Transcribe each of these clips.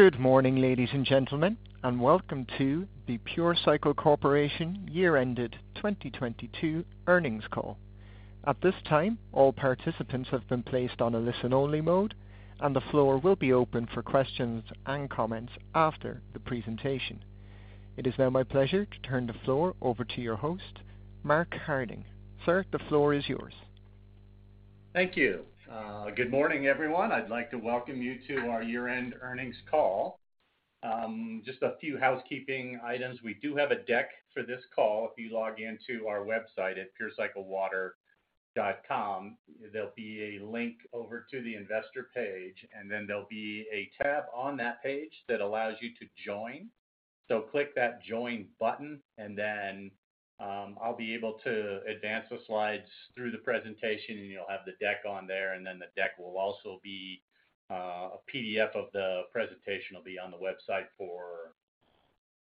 Good morning, ladies and gentlemen, and welcome to the Pure Cycle Corporation year-end 2022 earnings call. At this time, all participants have been placed on a listen-only mode, and the floor will be open for questions and comments after the presentation. It is now my pleasure to turn the floor over to your host, Mark Harding. Sir, the floor is yours. Thank you. Good morning, everyone. I'd like to welcome you to our year-end earnings call. Just a few housekeeping items. We do have a deck for this call. If you log in to our website at purecyclewater.com, there'll be a link over to the investor page, and then there'll be a tab on that page that allows you to join. Click that Join button, and then I'll be able to advance the slides through the presentation, and you'll have the deck on there. The deck will also be a PDF of the presentation on the website for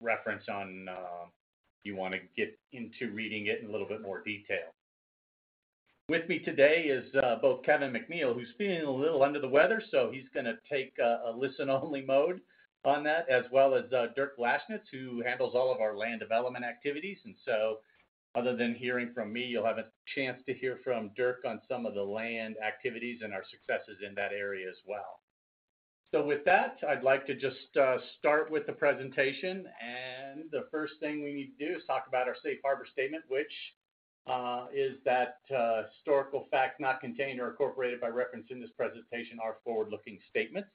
reference or if you wanna get into reading it in a little bit more detail. With me today is both Kevin McNeill, who's feeling a little under the weather, so he's gonna take a listen-only mode on that, as well as Dirk Lashnits, who handles all of our land development activities. Other than hearing from me, you'll have a chance to hear from Dirk on some of the land activities and our successes in that area as well. With that, I'd like to just start with the presentation. The first thing we need to do is talk about our safe harbor statement, which is that historical facts not contained or incorporated by reference in this presentation are forward-looking statements.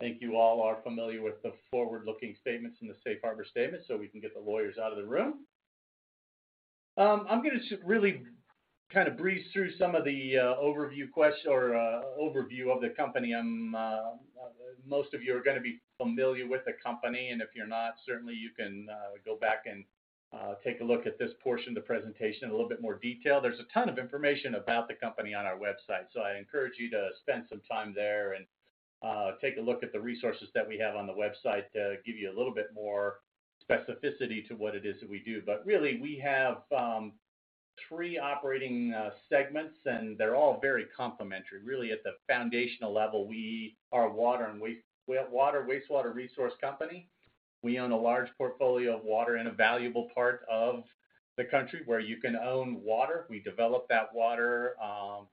I think you all are familiar with the forward-looking statements and the safe harbor statement, so we can get the lawyers out of the room. I'm gonna just really kind of breeze through some of the overview of the company. I mean, most of you are gonna be familiar with the company, and if you're not, certainly you can go back and take a look at this portion of the presentation in a little bit more detail. There's a ton of information about the company on our website, so I encourage you to spend some time there and take a look at the resources that we have on the website to give you a little bit more specificity to what it is that we do. Really, we have three operating segments, and they're all very complementary. Really, at the foundational level, we are a water and wastewater resource company. We own a large portfolio of water in a valuable part of the country where you can own water. We develop that water,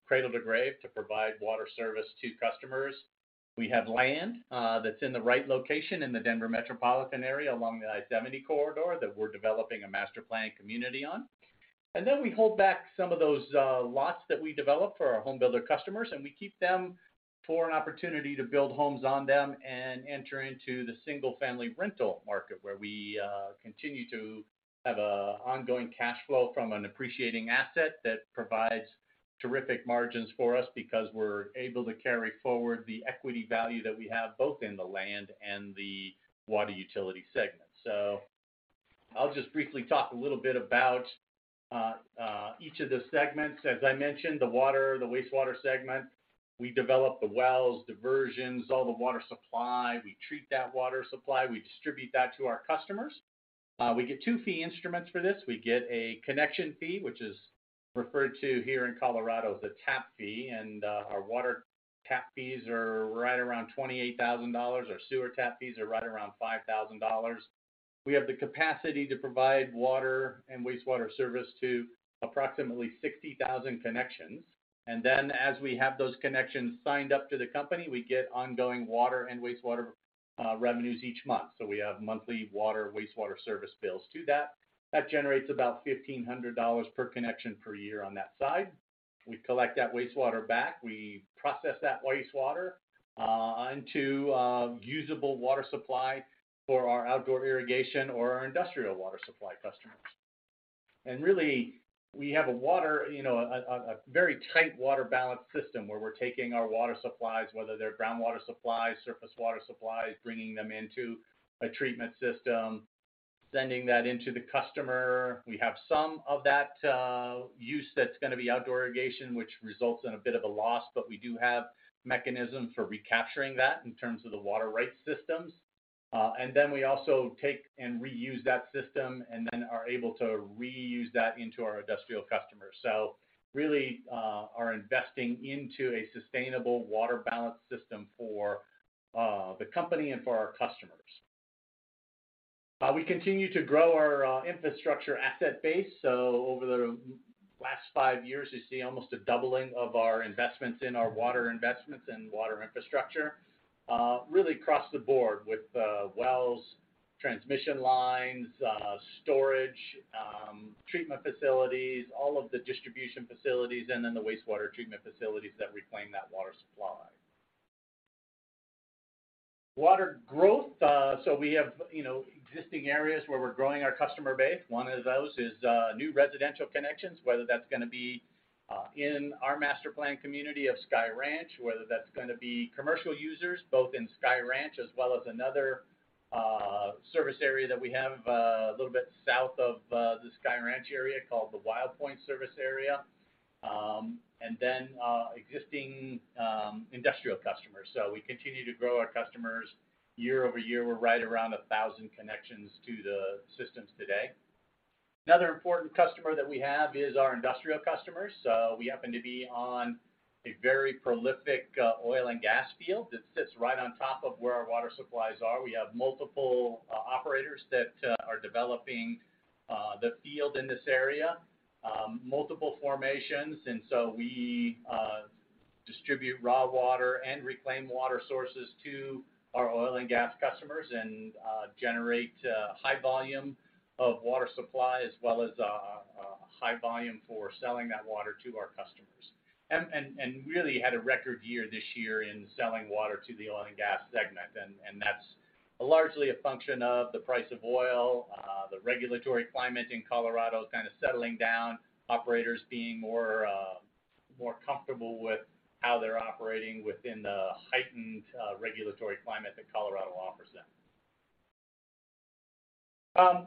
cradle to grave to provide water service to customers. We have land, that's in the right location in the Denver metropolitan area along the I-70 corridor that we're developing a master planned community on. We hold back some of those, lots that we develop for our home builder customers, and we keep them for an opportunity to build homes on them and enter into the single-family rental market, where we, continue to have an ongoing cash flow from an appreciating asset that provides terrific margins for us because we're able to carry forward the equity value that we have both in the land and the water utility segment. I'll just briefly talk a little bit about each of the segments. As I mentioned, the water, the wastewater segment, we develop the wells, diversions, all the water supply. We treat that water supply. We distribute that to our customers. We get two fee instruments for this. We get a connection fee, which is referred to here in Colorado as a tap fee, and our water tap fees are right around $28,000. Our sewer tap fees are right around $5,000. We have the capacity to provide water and wastewater service to approximately 60,000 connections. As we have those connections signed up to the company, we get ongoing water and wastewater revenues each month. We have monthly water, wastewater service bills to that. That generates about $1,500 per connection per year on that side. We collect that wastewater back. We process that wastewater into usable water supply for our outdoor irrigation or our industrial water supply customers. Really, we have a water, you know, a very tight water balance system where we're taking our water supplies, whether they're groundwater supplies, surface water supplies, bringing them into a treatment system, sending that into the customer. We have some of that use that's gonna be outdoor irrigation, which results in a bit of a loss, but we do have mechanisms for recapturing that in terms of the water rights systems. Then we also take and reuse that system and then are able to reuse that into our industrial customers. Really, are investing into a sustainable water balance system for the company and for our customers. We continue to grow our infrastructure asset base. Over the last five years, you see almost a doubling of our investments in our water investments and water infrastructure, really across the board with wells, transmission lines, storage, treatment facilities, all of the distribution facilities, and then the wastewater treatment facilities that reclaim that water supply. Water growth. We have, you know, existing areas where we're growing our customer base. One of those is new residential connections, whether that's gonna be in our master-planned community of Sky Ranch, whether that's gonna be commercial users, both in Sky Ranch as well as another service area that we have a little bit south of the Sky Ranch area called the Wild Pointe service area, and then existing industrial customers. We continue to grow our customers year-over-year. We're right around 1,000 connections to the systems today. Another important customer that we have is our industrial customers. We happen to be on a very prolific oil and gas field that sits right on top of where our water supplies are. We have multiple operators that are developing the field in this area, multiple formations. We distribute raw water and reclaim water sources to our oil and gas customers and generate high volume of water supply as well as a high volume for selling that water to our customers. Really had a record year this year in selling water to the oil and gas segment, and that's largely a function of the price of oil, the regulatory climate in Colorado kind of settling down, operators being more comfortable with how they're operating within the heightened regulatory climate that Colorado offers them.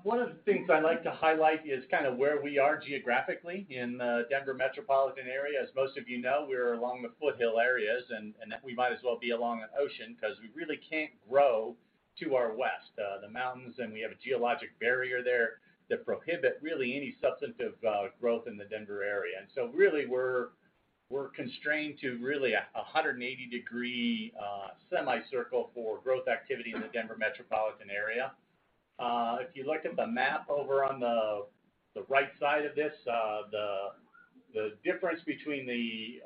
One of the things I like to highlight is kinda where we are geographically in Denver metropolitan area. As most of you know, we're along the foothill areas, and we might as well be along an ocean, 'cause we really can't grow to our west. The mountains, and we have a geologic barrier there that prohibit really any substantive growth in the Denver area. Really, we're constrained to really a 180-degree semicircle for growth activity in the Denver metropolitan area. If you look at the map over on the right side of this, the difference between the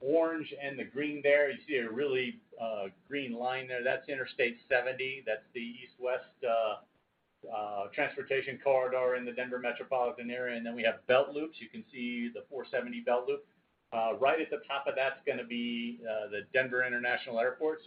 orange and the green there, you see a really green line there, that's Interstate 70. That's the east-west transportation corridor in the Denver metropolitan area. We have belt loops. You can see the 470 belt loop. Right at the top of that's gonna be the Denver International Airport.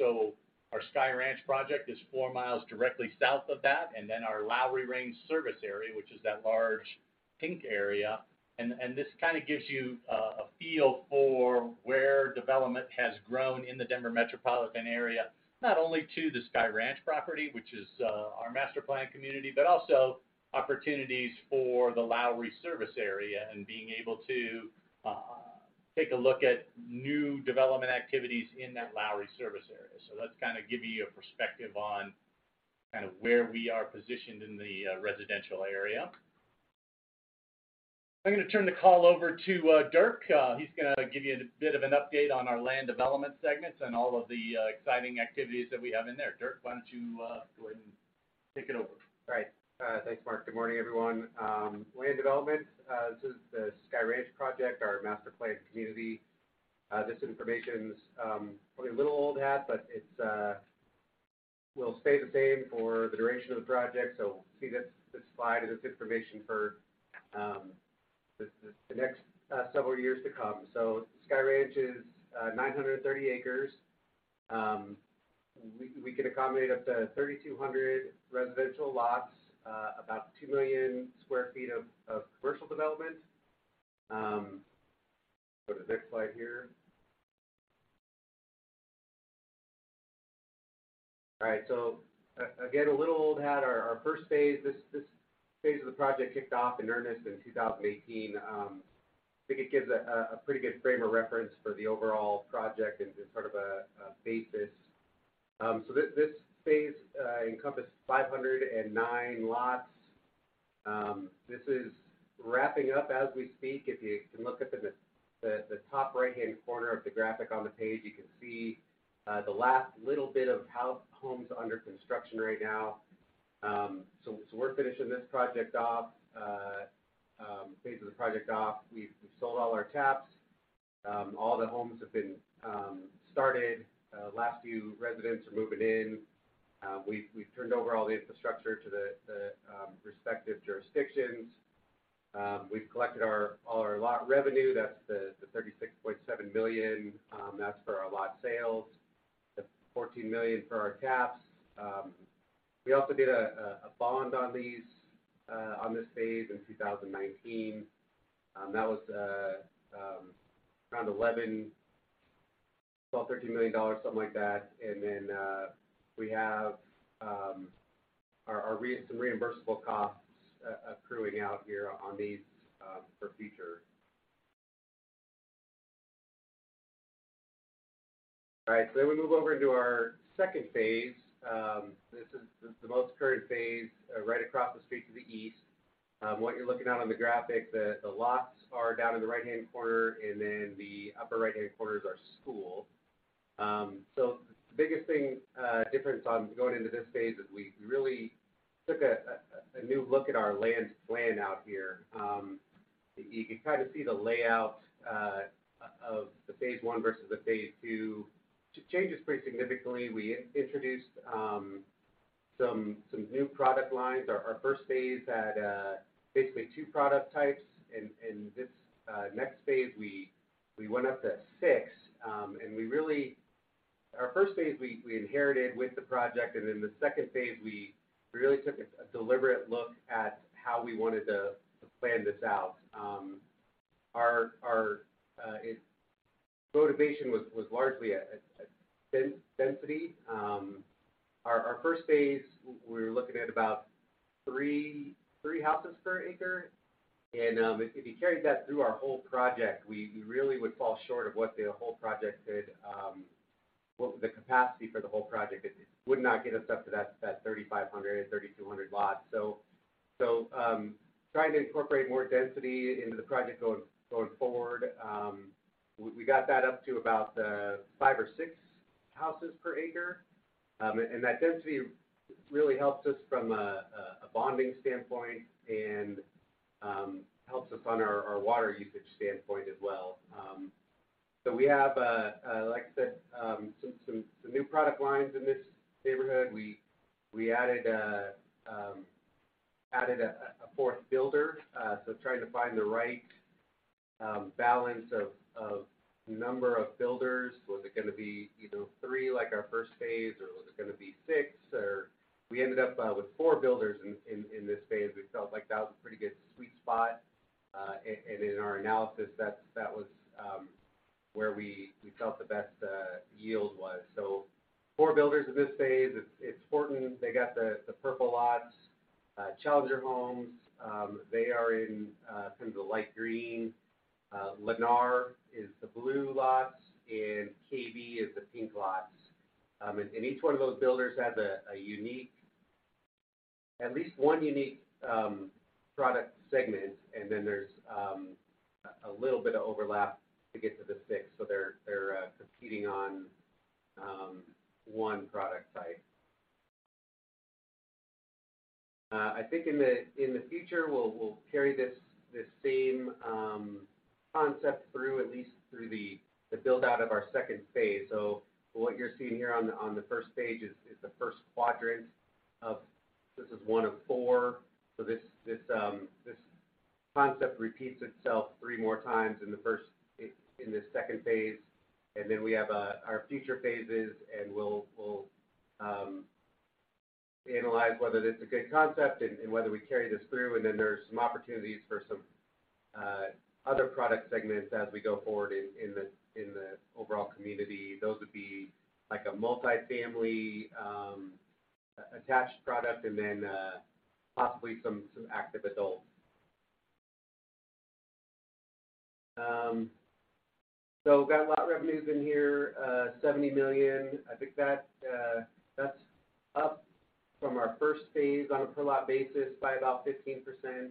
Our Sky Ranch project is 4 miles directly south of that. Our Lowry Range service area, which is that large pink area. This kinda gives you a feel for where development has grown in the Denver metropolitan area, not only to the Sky Ranch property, which is our master planned community, but also opportunities for the Lowry service area and being able to take a look at new development activities in that Lowry service area. That's kinda give you a perspective on kind of where we are positioned in the residential area. I'm gonna turn the call over to Dirk. He's gonna give you a bit of an update on our land development segments and all of the exciting activities that we have in there. Dirk, why don't you go ahead and take it over? Right. Thanks, Mark. Good morning, everyone. Land development, this is the Sky Ranch project, our master planned community. This information's probably a little old, but it will stay the same for the duration of the project. See this slide as information for the next several years to come. Sky Ranch is 930 acres. We can accommodate up to 3,200 residential lots, about 2 million sq ft of commercial development. Go to the next slide here. All right. Again, a little old. At our first phase, this phase of the project kicked off in earnest in 2018. I think it gives a pretty good frame of reference for the overall project and sort of a basis. This phase encompassed 509 lots. This is wrapping up as we speak. If you can look at the top right-hand corner of the graphic on the page, you can see the last little bit of homes under construction right now. We're finishing this phase of the project off. We've sold all our taps. All the homes have been started. Last few residents are moving in. We've turned over all the infrastructure to the respective jurisdictions. We've collected all our lot revenue, that's the $36.7 million that's for our lot sales. The $14 million for our taps. We also did a bond on this phase in 2019. That was around 11, about $13 million, something like that. Then we have some reimbursable costs accruing out here on these for future. All right. We move over into our second phase. This is the most current phase right across the street to the east. What you're looking at on the graphic, the lots are down in the right-hand corner, and then the upper right-hand corner is our school. The biggest difference on going into this phase is we really took a new look at our land plan out here. You can kind of see the layout of phase one versus phase two. It changes pretty significantly. We introduced some new product lines. Our first phase had basically two product types. In this next phase, we went up to six. Our first phase, we inherited with the project, and in the second phase, we really took a deliberate look at how we wanted to plan this out. Our motivation was largely a density. Our first phase, we were looking at about three houses per acre. If you carried that through our whole project, we really would fall short of what the capacity for the whole project is. It would not get us up to that 3,500, 3,200 lots. Trying to incorporate more density into the project going forward, we got that up to about 5 or 6 houses per acre. That density really helps us from a bonding standpoint and helps us on our water usage standpoint as well. We have, like I said, some new product lines in this neighborhood. We added a fourth builder. Trying to find the right balance of number of builders. Was it gonna be either 3 like our first phase, or was it gonna be 6? We ended up with 4 builders in this phase. We felt like that was a pretty good sweet spot. In our analysis that was where we felt the best yield was. Four builders in this phase. It's D.R. Horton, they got the purple lots. Challenger Homes, they are in some of the light green. Lennar is the blue lots, and KB is the pink lots. Each one of those builders has at least one unique product segment, and then there's a little bit of overlap to get to the six. They're competing on one product type. I think in the future, we'll carry this same concept through at least through the build-out of our second phase. What you're seeing here on the first page is the first quadrant of This is one of four. This concept repeats itself three more times in this second phase. We have our future phases, and we'll analyze whether this is a good concept and whether we carry this through. There's some opportunities for some other product segments as we go forward in the overall community. Those would be like a multifamily attached product, and then possibly some active adult. We've got lot revenues in here, $70 million. I think that's up from our first phase on a per lot basis by about 15%.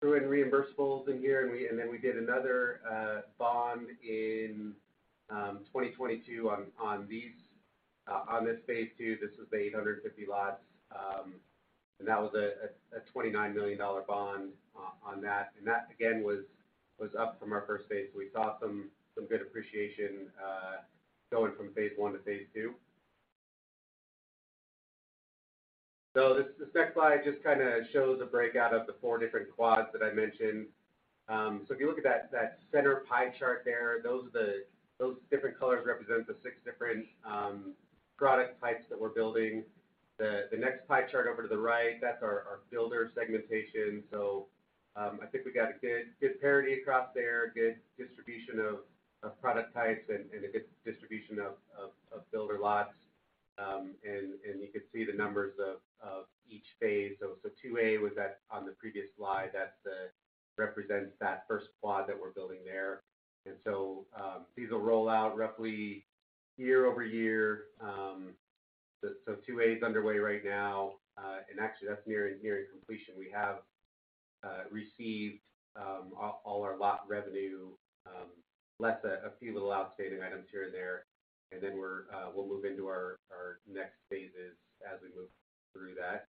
Threw in reimbursables in here, and then we did another bond in 2022 on this phase two. This was the 850 lots, and that was a $29 million bond on that. That again was up from our first phase. We saw some good appreciation going from phase one to phase two. This next slide just kinda shows a breakout of the four different quads that I mentioned. If you look at that center pie chart there, those different colors represent the six different product types that we're building. The next pie chart over to the right, that's our builder segmentation. I think we got a good parity across there, good distribution of product types and a good distribution of builder lots. You can see the numbers of each phase. 2A was that on the previous slide, that represents that first quad that we're building there. These will roll out roughly year-over-year. 2A is underway right now. Actually that's nearing completion. We have received all our lot revenue, less a few little outstanding items here and there. We'll move into our next phases as we move through that.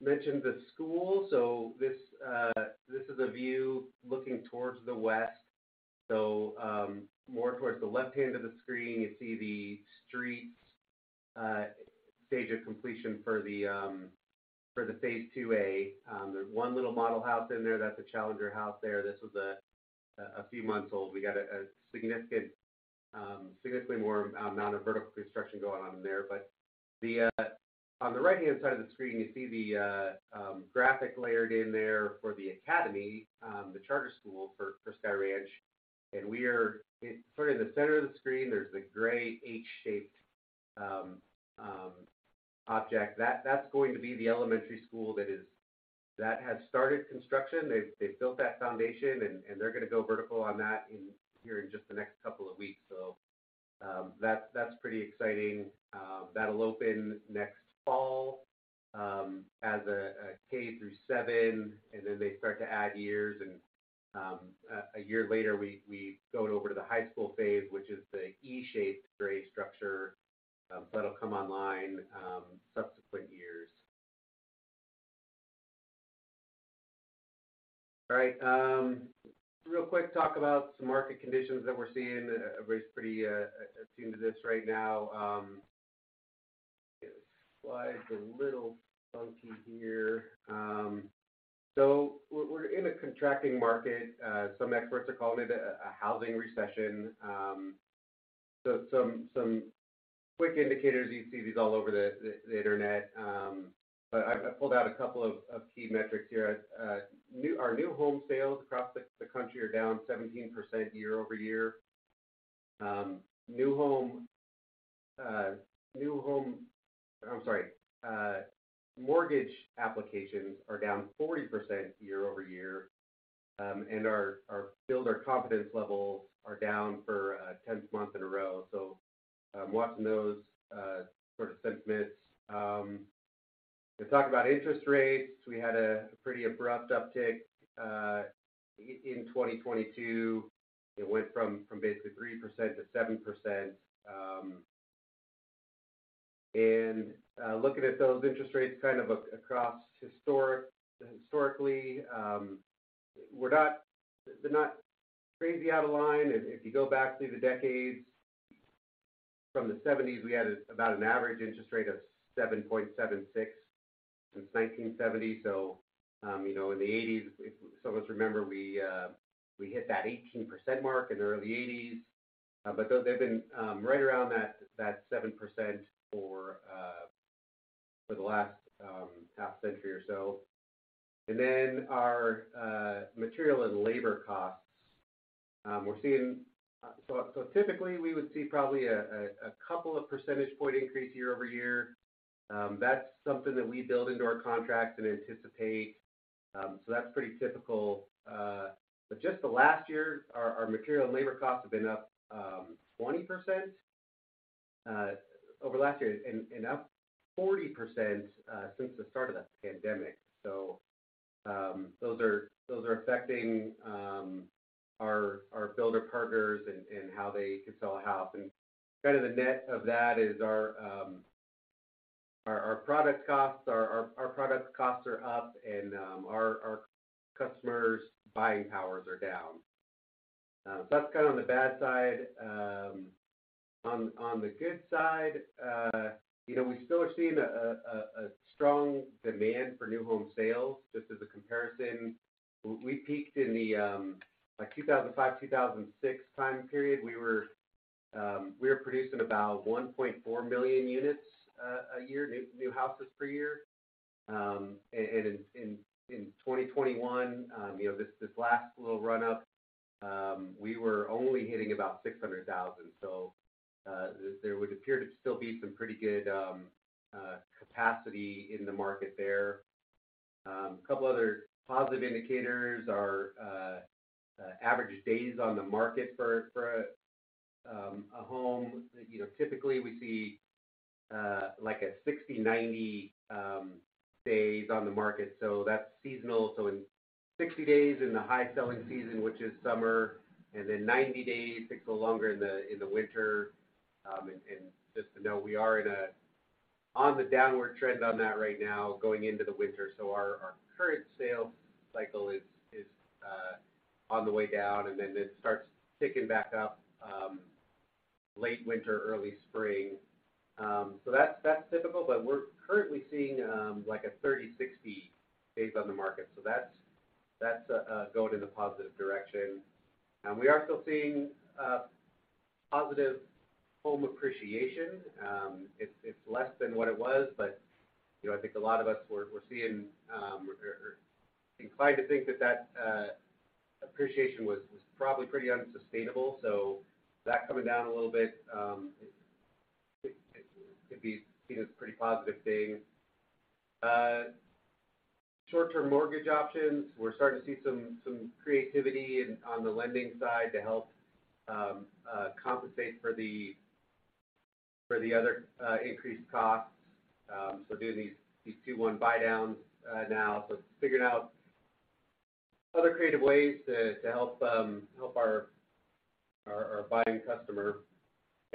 Mentioned the school. This is a view looking towards the west. More towards the left-hand of the screen, you see the streets stage of completion for the phase 2A. There's one little model house in there. That's a Challenger house there. This is a few months old. We got a significantly more amount of vertical construction going on there. On the right-hand side of the screen, you see the graphic layered in there for the academy, the charter school for Sky Ranch. In the center of the screen, there's the gray H-shaped object. That's going to be the elementary school that has started construction. They've built that foundation, and they're gonna go vertical on that here in just the next couple of weeks. That's pretty exciting. That'll open next fall, as a K through 7, and then they start to add years. A year later we go over to the high school phase, which is the E-shaped gray structure, that'll come online subsequent years. All right. Real quick, talk about some market conditions that we're seeing. Everybody's pretty attuned to this right now. This slide's a little funky here. So we're in a contracting market. Some experts are calling it a housing recession. So some quick indicators, you see these all over the internet. But I pulled out a couple of key metrics here. Our new home sales across the country are down 17% year-over-year. Mortgage applications are down 40% year-over-year, and our builder confidence levels are down for a 10th month in a row. I'm watching those sort of sentiments. To talk about interest rates, we had a pretty abrupt uptick in 2022. It went from basically 3% to 7%. Looking at those interest rates kind of across historically, we're not... they're not crazy out of line. If you go back through the decades, from the 1970s, we had about an average interest rate of 7.76% since 1970. You know, in the 1980s, if some of us remember, we hit that 18% mark in the early 1980s. Though they've been right around that 7% for the last half century or so. Then our material and labor costs, we're seeing so typically we would see probably a couple of percentage points increase year-over-year. That's something that we build into our contracts and anticipate. That's pretty typical. Just the last year, our material and labor costs have been up 20% over last year and up 40% since the start of the pandemic. Those are affecting our builder partners and how they can sell a house. Kind of the net of that is our product costs are up and our customers' buying powers are down. That's kind of on the bad side. On the good side, you know, we still are seeing a strong demand for new home sales. Just as a comparison, we peaked in the like 2005, 2006 time period. We were producing about 1.4 million units a year, new houses per year. In 2021, you know, this last little run up, we were only hitting about 600,000. There would appear to still be some pretty good capacity in the market there. A couple other positive indicators are average days on the market for a home. You know, typically we see like a 60-90 days on the market, so that's seasonal. In 60 days in the high selling season, which is summer, and then 90 days takes a little longer in the winter. And just to know, we are on the downward trend on that right now going into the winter. Our current sales cycle is on the way down, and then it starts ticking back up late winter, early spring. That's typical, but we're currently seeing like a 30-60 days on the market. That's going in a positive direction. We are still seeing positive home appreciation. It's less than what it was, but you know, I think a lot of us we're seeing or inclined to think that appreciation was probably pretty unsustainable. That coming down a little bit, it could be seen as a pretty positive thing. Short-term mortgage options, we're starting to see some creativity on the lending side to help compensate for the other increased costs. Doing these 2-1 buydowns now. Figuring out other creative ways to help our buying customer.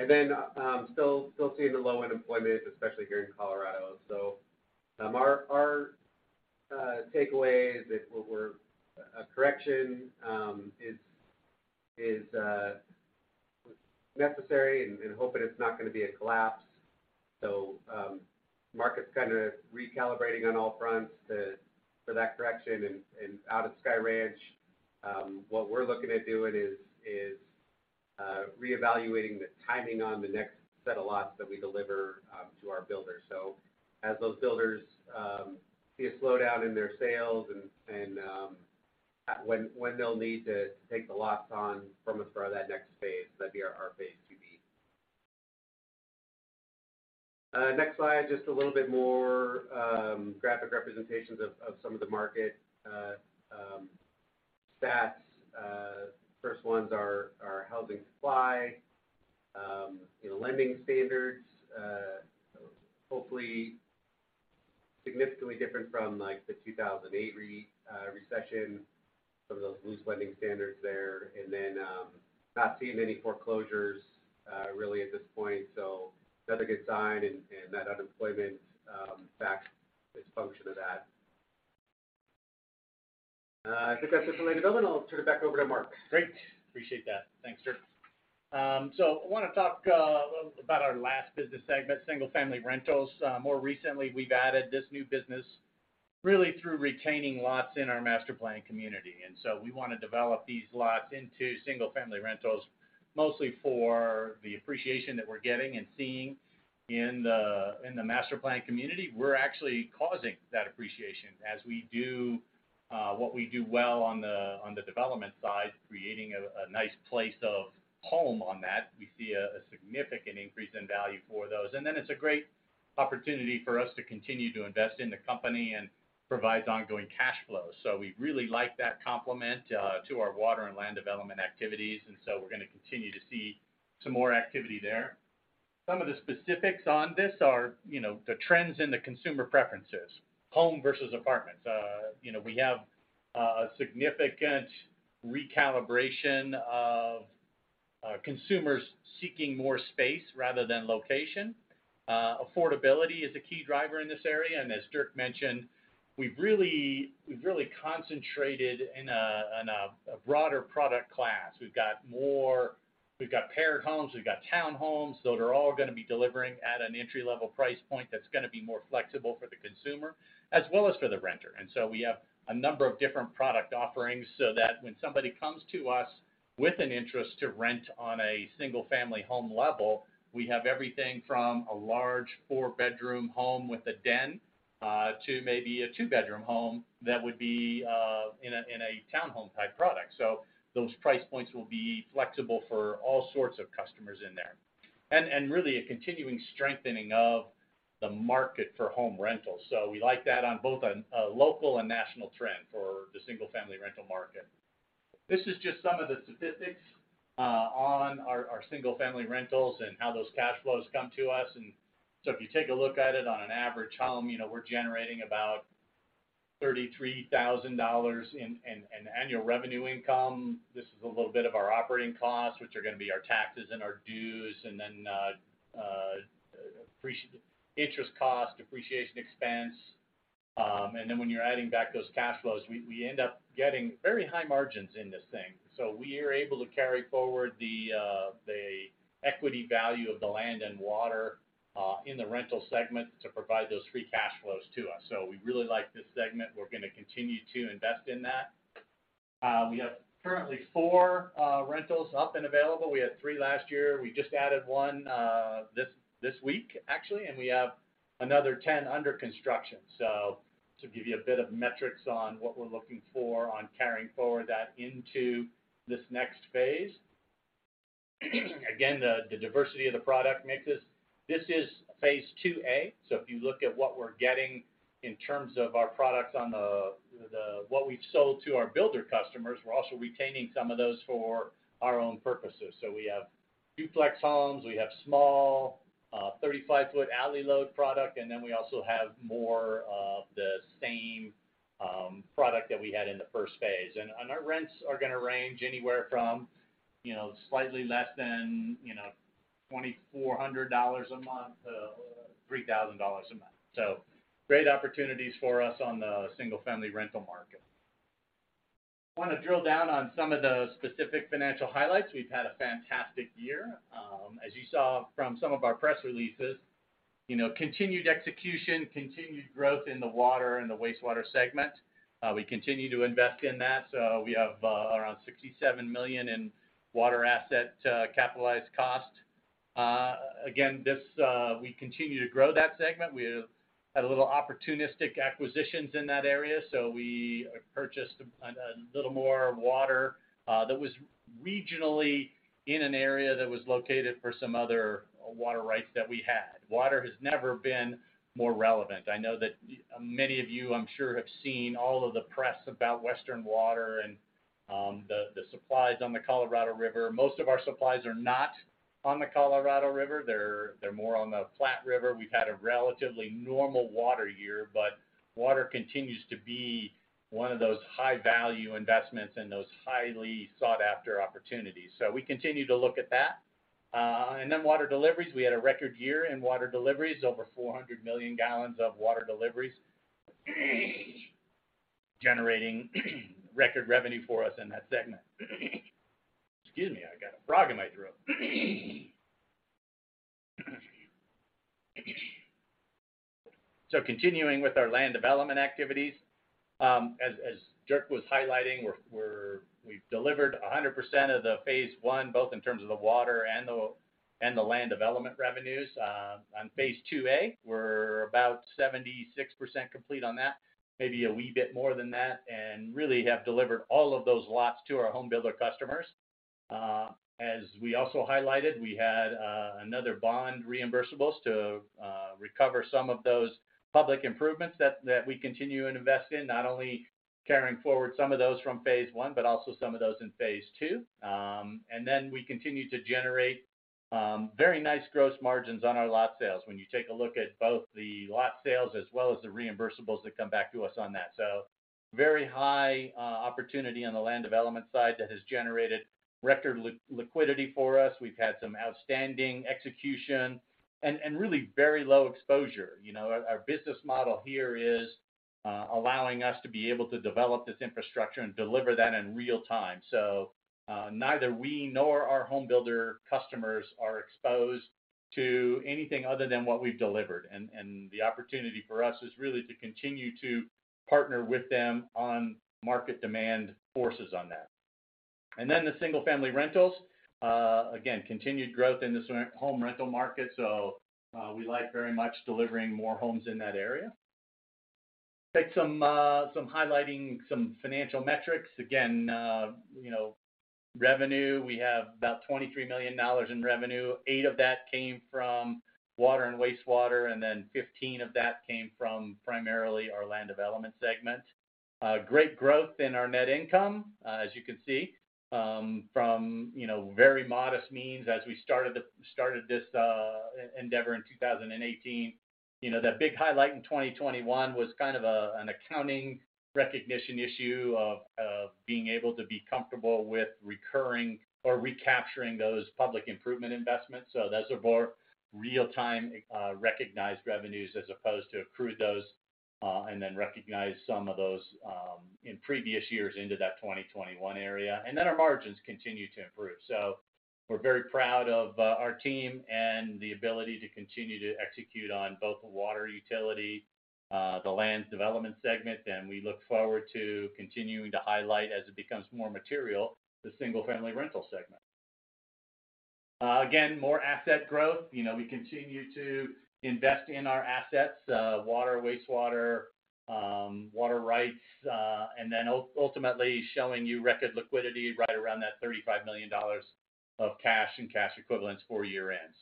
Still seeing the low unemployment, especially here in Colorado. Our takeaway is that a correction is necessary and hoping it's not gonna be a collapse. Market's kind of recalibrating on all fronts for that correction. Out at Sky Ranch, what we're looking at doing is reevaluating the timing on the next set of lots that we deliver to our builders. As those builders see a slowdown in their sales and when they'll need to take the lots on from us for that next phase, that'd be our phase two B. Next slide, just a little bit more graphic representations of some of the market stats. First ones are our housing supply, you know, lending standards, hopefully significantly different from like the 2008 recession. Some of those loose lending standards there. Not seeing any foreclosures really at this point, so another good sign, and that unemployment rate is a function of that. I think that's it from my development. I'll turn it back over to Mark. Great. Appreciate that. Thanks, sir. So I wanna talk about our last business segment, single-family rentals. More recently, we've added this new business really through retaining lots in our master-planned community. We wanna develop these lots into single-family rentals. The appreciation that we're getting and seeing in the master-planned community, we're actually causing that appreciation. As we do what we do well on the development side, creating a nice place for homes on that, we see a significant increase in value for those. It's a great opportunity for us to continue to invest in the company and provides ongoing cash flow. We really like that complement to our water and land development activities, and we're gonna continue to see some more activity there. Some of the specifics on this are, you know, the trends in the consumer preferences, home versus apartments. We have a significant recalibration of consumers seeking more space rather than location. Affordability is a key driver in this area, and as Dirk mentioned, we've really concentrated on a broader product class. We've got paired homes, we've got townhomes. Those are all gonna be delivering at an entry-level price point that's gonna be more flexible for the consumer, as well as for the renter. We have a number of different product offerings so that when somebody comes to us with an interest to rent on a single-family home level, we have everything from a large four-bedroom home with a den to maybe a two-bedroom home that would be in a townhome-type product. Those price points will be flexible for all sorts of customers in there. Really a continuing strengthening of the market for home rentals. We like that on both a local and national trend for the single-family rental market. This is just some of the statistics on our single-family rentals and how those cash flows come to us. If you take a look at it on an average home, you know, we're generating about $33,000 in annual revenue income. This is a little bit of our operating costs, which are gonna be our taxes and our dues, and then interest cost, depreciation expense. When you're adding back those cash flows, we end up getting very high margins in this thing. We are able to carry forward the equity value of the land and water in the rental segment to provide those free cash flows to us. We really like this segment. We're gonna continue to invest in that. We have currently 4 rentals up and available. We had 3 last year. We just added 1 this week, actually. We have another 10 under construction. To give you a bit of metrics on what we're looking for on carrying forward that into this next phase. Again, the diversity of the product mixes. This is phase 2A, so if you look at what we're getting in terms of our products on what we've sold to our builder customers, we're also retaining some of those for our own purposes. We have duplex homes, we have small, 35-foot alley-loaded product, and then we also have more of the same product that we had in the first phase. Our rents are gonna range anywhere from, you know, slightly less than, you know, $2,400 a month to $30,000 a month. Great opportunities for us on the single-family rental market. I wanna drill down on some of the specific financial highlights. We've had a fantastic year. As you saw from some of our press releases, you know, continued execution, continued growth in the water and the wastewater segment. We continue to invest in that, so we have around $67 million in water asset capitalized cost. Again, we continue to grow that segment. We have had a little opportunistic acquisitions in that area, so we purchased a little more water that was regionally in an area that was located for some other water rights that we had. Water has never been more relevant. I know that many of you, I'm sure, have seen all of the press about western water and the supplies on the Colorado River. Most of our supplies are not on the Colorado River. They're more on the Platte River. We've had a relatively normal water year, but water continues to be one of those high-value investments and those highly sought-after opportunities. We continue to look at that. Water deliveries, we had a record year in water deliveries, over 400 million gallons of water deliveries, generating record revenue for us in that segment. Excuse me, I got a frog in my throat. Continuing with our land development activities, as Dirk was highlighting, we've delivered 100% of the phase 1, both in terms of the water and the land development revenues. On phase 2A, we're about 76% complete on that, maybe a wee bit more than that, and really have delivered all of those lots to our home builder customers. As we also highlighted, we had another bond reimbursements to recover some of those public improvements that we continue and invest in, not only carrying forward some of those from phase 1, but also some of those in phase 2. We continue to generate very nice gross margins on our lot sales when you take a look at both the lot sales as well as the reimbursables that come back to us on that. Very high opportunity on the land development side that has generated record liquidity for us. We've had some outstanding execution and really very low exposure. You know, our business model here is allowing us to be able to develop this infrastructure and deliver that in real time. Neither we nor our home builder customers are exposed to anything other than what we've delivered. The opportunity for us is really to continue to partner with them on market demand forces on that. The single-family rentals again continued growth in the home rental market. We like very much delivering more homes in that area. Take some highlighting some financial metrics. Again, you know, revenue, we have about $23 million in revenue. $8 million of that came from water and wastewater, and then $15 million of that came from primarily our land development segment. Great growth in our net income, as you can see, from, you know, very modest means as we started this endeavor in 2018. You know, the big highlight in 2021 was kind of an accounting recognition issue of being able to be comfortable with recurring or recapturing those public improvement investments. Those are more real-time recognized revenues as opposed to accrue those, and then recognize some of those in previous years into that 2021 area. Then our margins continue to improve. We're very proud of our team and the ability to continue to execute on both the water utility, the land development segment, and we look forward to continuing to highlight as it becomes more material, the single-family rental segment. Again, more asset growth. You know, we continue to invest in our assets, water, wastewater, water rights, and then ultimately showing you record liquidity right around that $35 million of cash and cash equivalents for year-end.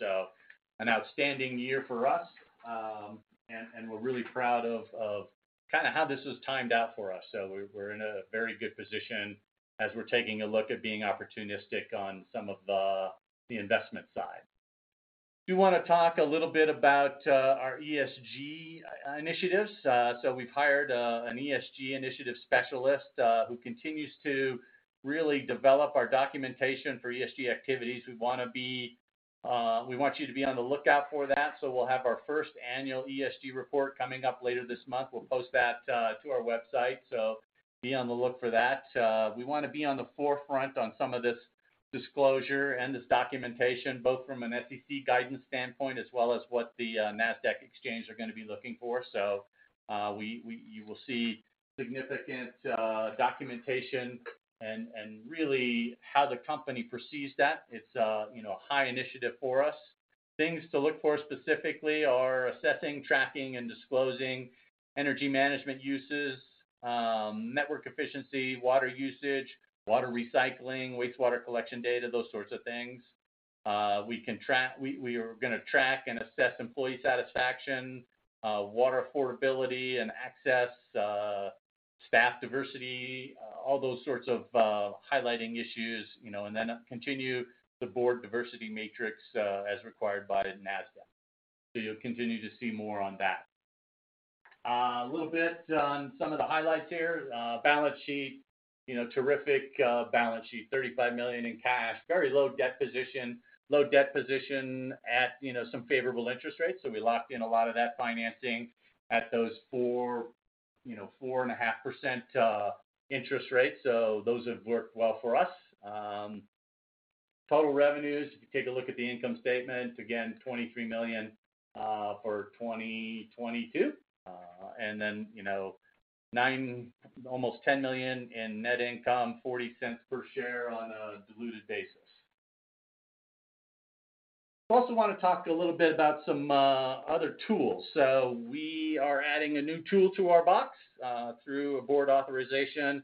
An outstanding year for us, and we're really proud of kinda how this has timed out for us. We're in a very good position as we're taking a look at being opportunistic on some of the investment side. Do wanna talk a little bit about our ESG initiatives. We've hired an ESG initiative specialist who continues to really develop our documentation for ESG activities. We want you to be on the lookout for that. We'll have our first annual ESG report coming up later this month. We'll post that to our website, so be on the look for that. We wanna be on the forefront on some of this disclosure and this documentation, both from an SEC guidance standpoint as well as what the Nasdaq exchange are gonna be looking for. You will see significant documentation and really how the company perceives that. It's you know a high initiative for us. Things to look for specifically are assessing, tracking, and disclosing energy management uses, network efficiency, water usage, water recycling, wastewater collection data, those sorts of things. We can track and assess employee satisfaction, water affordability and access, staff diversity, all those sorts of highlighting issues, you know, and then continue the board diversity matrix, as required by Nasdaq. You'll continue to see more on that. A little bit on some of the highlights here. Balance sheet, you know, terrific balance sheet. $35 million in cash. Very low debt position. Low debt position at some favorable interest rates, so we locked in a lot of that financing at those 4.5% interest rates. Those have worked well for us. Total revenues, if you take a look at the income statement, again, $23 million for 2022. You know, $9 million, almost $10 million in net income, $0.40 per share on a diluted basis. Also want to talk a little bit about some other tools. We are adding a new tool to our box through a board authorization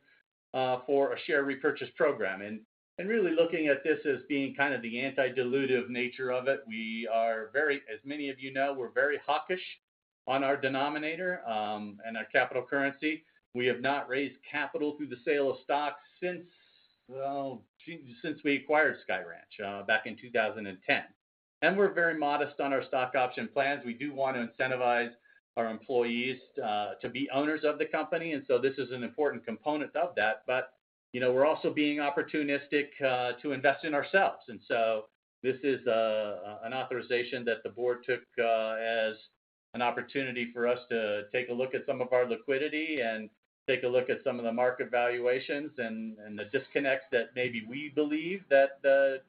for a share repurchase program. Really looking at this as being kind of the anti-dilutive nature of it, we are very as many of you know, we're very hawkish on our denominator and our capital currency. We have not raised capital through the sale of stock since, well, since we acquired Sky Ranch back in 2010. We're very modest on our stock option plans. We do want to incentivize our employees to be owners of the company, so this is an important component of that. You know, we're also being opportunistic to invest in ourselves. This is an authorization that the board took as an opportunity for us to take a look at some of our liquidity and take a look at some of the market valuations and the disconnects that maybe we believe that the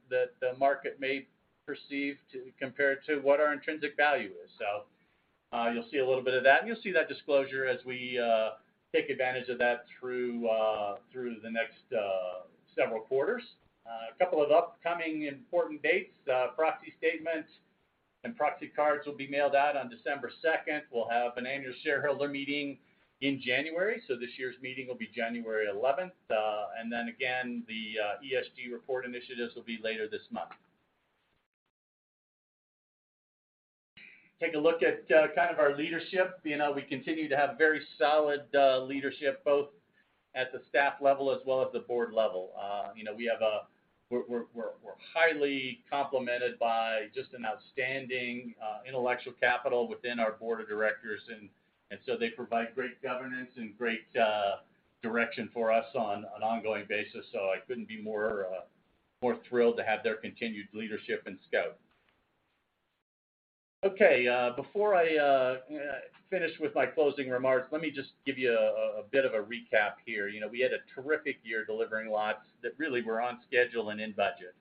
market may perceive compared to what our intrinsic value is. You'll see a little bit of that, and you'll see that disclosure as we take advantage of that through the next several quarters. A couple of upcoming important dates. Proxy statements and proxy cards will be mailed out on December second. We'll have an annual shareholder meeting in January. This year's meeting will be January eleventh. The ESG report initiatives will be later this month. Take a look at kind of our leadership. You know, we continue to have very solid leadership, both at the staff level as well as the board level. You know, we have a we're highly complimented by just an outstanding intellectual capital within our board of directors, and so they provide great governance and great direction for us on an ongoing basis. So I couldn't be more thrilled to have their continued leadership in Scout. Okay, before I finish with my closing remarks, let me just give you a bit of a recap here. You know, we had a terrific year delivering lots that really were on schedule and in budget.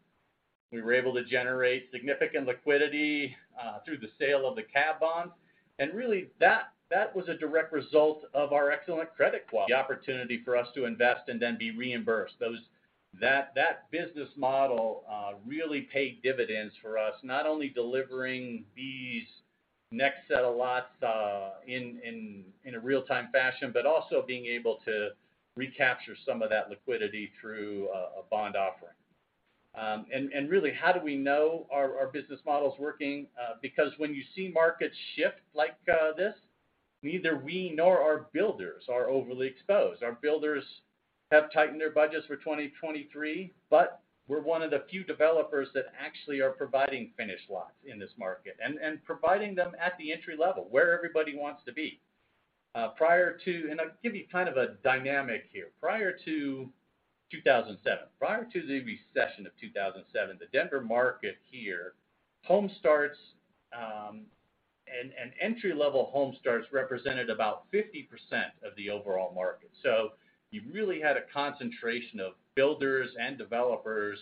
We were able to generate significant liquidity through the sale of the CAB bonds, and really that was a direct result of our excellent credit quality. The opportunity for us to invest and then be reimbursed. That business model really paid dividends for us, not only delivering these next set of lots in a real-time fashion, but also being able to recapture some of that liquidity through a bond offering. And really how do we know our business model is working? Because when you see markets shift like this, neither we nor our builders are overly exposed. Our builders have tightened their budgets for 2023, but we're one of the few developers that actually are providing finished lots in this market, providing them at the entry-level, where everybody wants to be. I'll give you kind of a dynamic here. Prior to 2007, prior to the recession of 2007, the Denver market here, home starts, and entry-level home starts represented about 50% of the overall market. You really had a concentration of builders and developers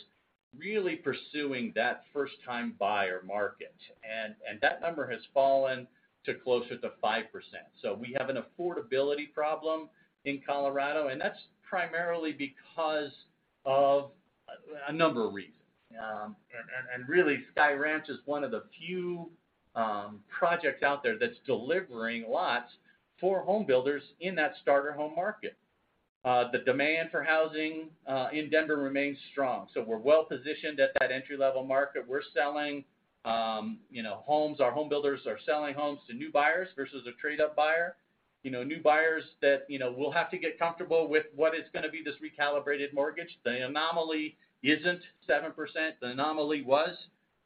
really pursuing that first-time buyer market. That number has fallen to closer to 5%. We have an affordability problem in Colorado, and that's primarily because of a number of reasons. Really, Sky Ranch is one of the few projects out there that's delivering lots for home builders in that starter home market. The demand for housing in Denver remains strong. We're well positioned at that entry-level market. We're selling, you know, homes. Our home builders are selling homes to new buyers versus a trade-up buyer. You know, new buyers that, you know, will have to get comfortable with what is gonna be this recalibrated mortgage. The anomaly isn't 7%, the anomaly was,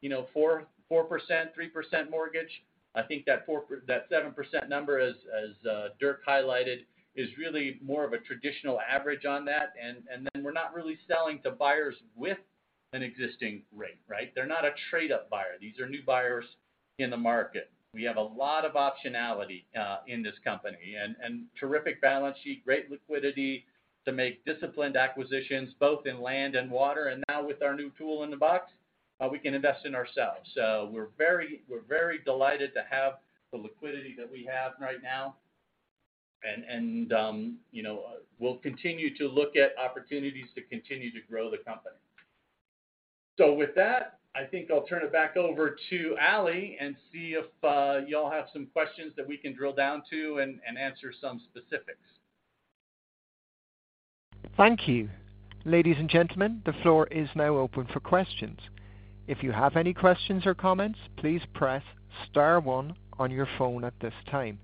you know, 4%, 3% mortgage. I think that 7% number, as Dirk highlighted, is really more of a traditional average on that. We're not really selling to buyers with an existing rate, right? They're not a trade-up buyer. These are new buyers in the market. We have a lot of optionality in this company and terrific balance sheet, great liquidity to make disciplined acquisitions, both in land and water. Now with our new tool in the box, we can invest in ourselves. We're very delighted to have the liquidity that we have right now. You know, we'll continue to look at opportunities to continue to grow the company. With that, I think I'll turn it back over to Ally and see if y'all have some questions that we can drill down to and answer some specifics. Thank you. Ladies and gentlemen, the floor is now open for questions. If you have any questions or comments, please press star one on your phone at this time.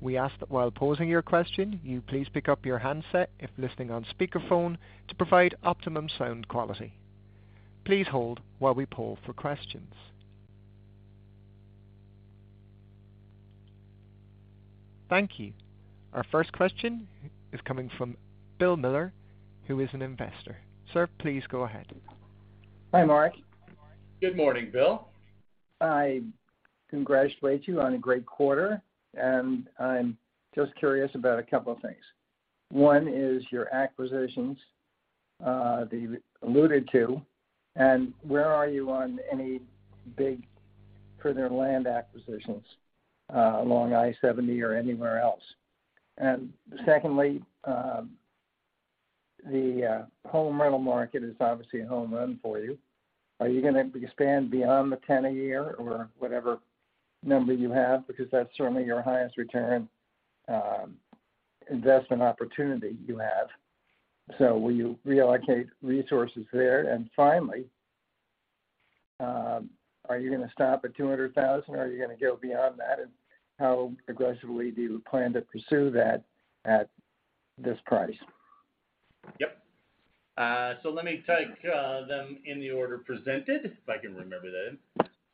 We ask that while posing your question, you please pick up your handset if listening on speakerphone to provide optimum sound quality. Please hold while we poll for questions. Thank you. Our first question is coming from William Miller, who is an investor. Sir, please go ahead. Hi, Mark. Good morning, Bill. I congratulate you on a great quarter, and I'm just curious about a couple of things. One is your acquisitions that you alluded to, and where are you on any big further land acquisitions along I-70 or anywhere else? Secondly, the home rental market is obviously a home run for you. Are you gonna expand beyond the 10 a year or whatever number you have? Because that's certainly your highest return investment opportunity you have. Will you reallocate resources there? Finally, are you gonna stop at 200,000, or are you gonna go beyond that? How aggressively do you plan to pursue that at this price? Yep. Let me take them in the order presented, if I can remember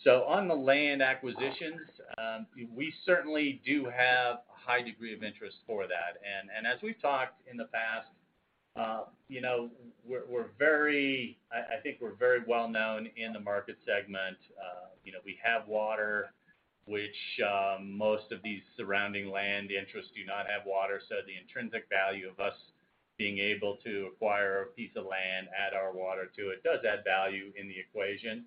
them. On the land acquisitions, we certainly do have a high degree of interest for that. As we've talked in the past, you know, we're very well known in the market segment. You know, we have water which most of these surrounding land interests do not have water. The intrinsic value of us being able to acquire a piece of land, add our water to it, does add value in the equation.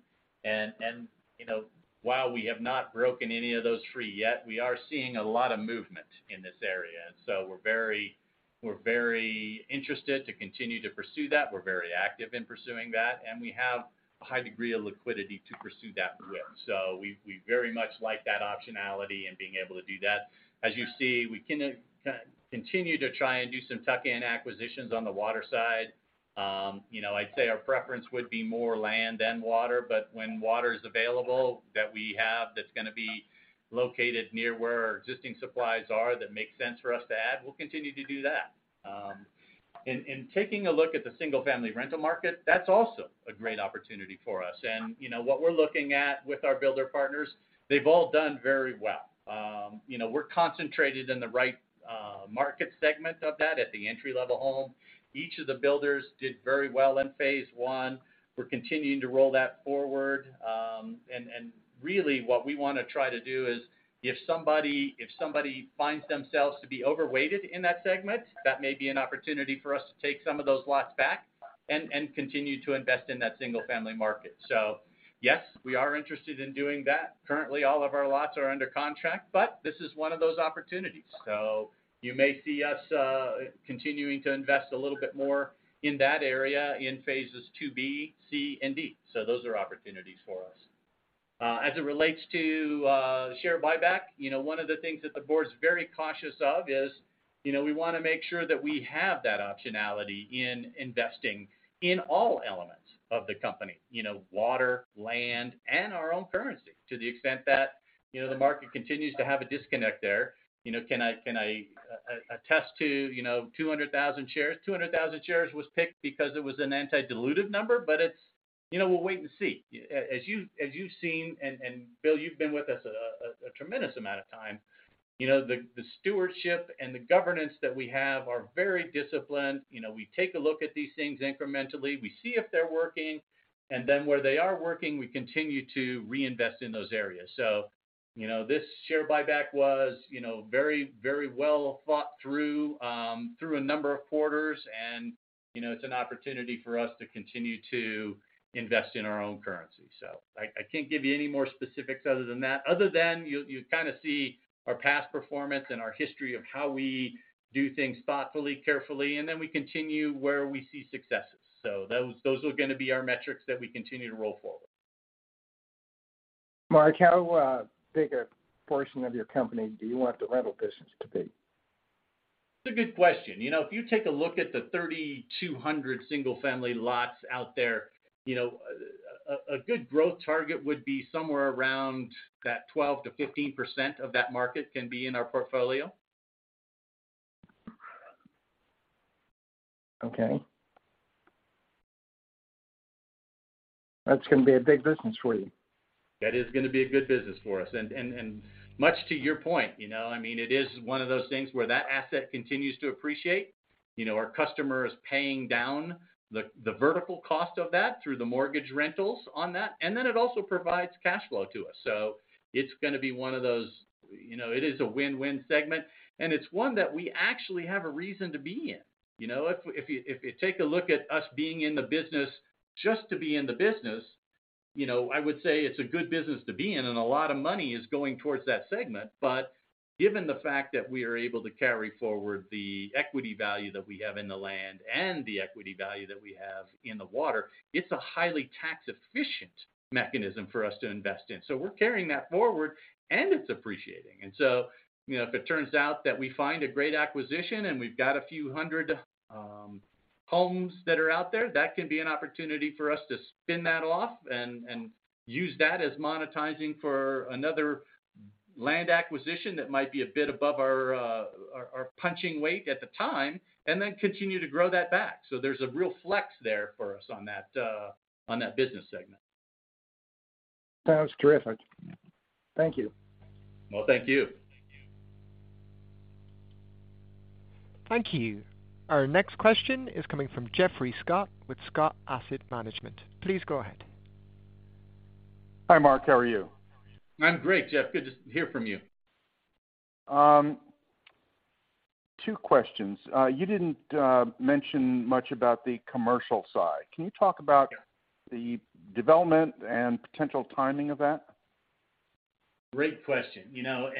You know, while we have not broken any of those three yet, we are seeing a lot of movement in this area. We're very interested to continue to pursue that. We're very active in pursuing that, and we have a high degree of liquidity to pursue that with. We very much like that optionality and being able to do that. As you see, we can continue to try and do some tuck-in acquisitions on the water side. You know, I'd say our preference would be more land than water, but when water is available that we have that's gonna be located near where our existing supplies are that make sense for us to add, we'll continue to do that. Taking a look at the single-family rental market, that's also a great opportunity for us. You know, what we're looking at with our builder partners, they've all done very well. You know, we're concentrated in the right market segment of that at the entry-level home. Each of the builders did very well in phase 1. We're continuing to roll that forward. Really what we wanna try to do is if somebody finds themselves to be overweighted in that segment, that may be an opportunity for us to take some of those lots back and continue to invest in that single-family market. Yes, we are interested in doing that. Currently, all of our lots are under contract, but this is one of those opportunities. You may see us continuing to invest a little bit more in that area in phases 2B, C, and D. Those are opportunities for us. As it relates to share buyback, you know, one of the things that the board's very cautious of is, you know, we wanna make sure that we have that optionality in investing in all elements of the company. You know, water, land, and our own currency. To the extent that, you know, the market continues to have a disconnect there, you know, can I attest to, you know, 200,000 shares? 200,000 shares was picked because it was an anti-dilutive number, but it's, you know, we'll wait and see. As you've seen and Bill, you've been with us a tremendous amount of time, you know, the stewardship and the governance that we have are very disciplined. You know, we take a look at these things incrementally. We see if they're working, and then where they are working, we continue to reinvest in those areas. You know, this share buyback was, you know, very, very well thought through a number of quarters and, you know, it's an opportunity for us to continue to invest in our own currency. I can't give you any more specifics other than that. Other than you kind of see our past performance and our history of how we do things thoughtfully, carefully, and then we continue where we see successes. Those are gonna be our metrics that we continue to roll forward. Mark, how big a portion of your company do you want the rental business to be? It's a good question. You know, if you take a look at the 3,200 single-family lots out there, you know, a good growth target would be somewhere around that 12%-15% of that market can be in our portfolio. Okay. That's gonna be a big business for you. That is gonna be a good business for us. Much to your point, you know, I mean, it is one of those things where that asset continues to appreciate. You know, our customer is paying down the vertical cost of that through the mortgage rentals on that, and then it also provides cash flow to us. It's gonna be one of those. You know, it is a win-win segment, and it's one that we actually have a reason to be in. You know, if you take a look at us being in the business just to be in the business, you know, I would say it's a good business to be in, and a lot of money is going towards that segment. Given the fact that we are able to carry forward the equity value that we have in the land and the equity value that we have in the water, it's a highly tax-efficient mechanism for us to invest in. So we're carrying that forward, and it's appreciating. You know, if it turns out that we find a great acquisition and we've got a few hundred homes that are out there, that can be an opportunity for us to spin that off and use that as monetizing for another land acquisition that might be a bit above our punching weight at the time, and then continue to grow that back. So there's a real flex there for us on that business segment. Sounds terrific. Thank you. Well, thank you. Thank you. Our next question is coming from Geoffrey Scott with Scott Asset Management. Please go ahead. Hi, Mark. How are you? I'm great, Geoff. Good to hear from you. Two questions. You didn't mention much about the commercial side. Can you talk about the development and potential timing of that? Great question. You know,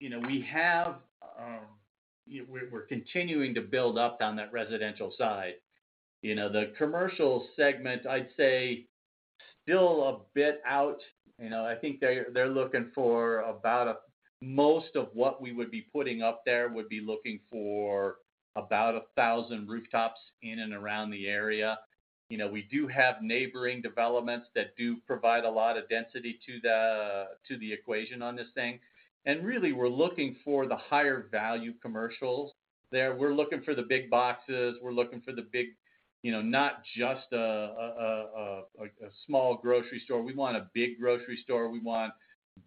we have, you know, we're continuing to build up on that residential side. You know, the commercial segment, I'd say still a bit out. You know, I think they're looking for about... Most of what we would be putting up there would be looking for about 1,000 rooftops in and around the area. You know, we do have neighboring developments that do provide a lot of density to the equation on this thing. Really, we're looking for the higher value commercials there. We're looking for the big boxes. We're looking for the big, you know, not just a small grocery store. We want a big grocery store. We want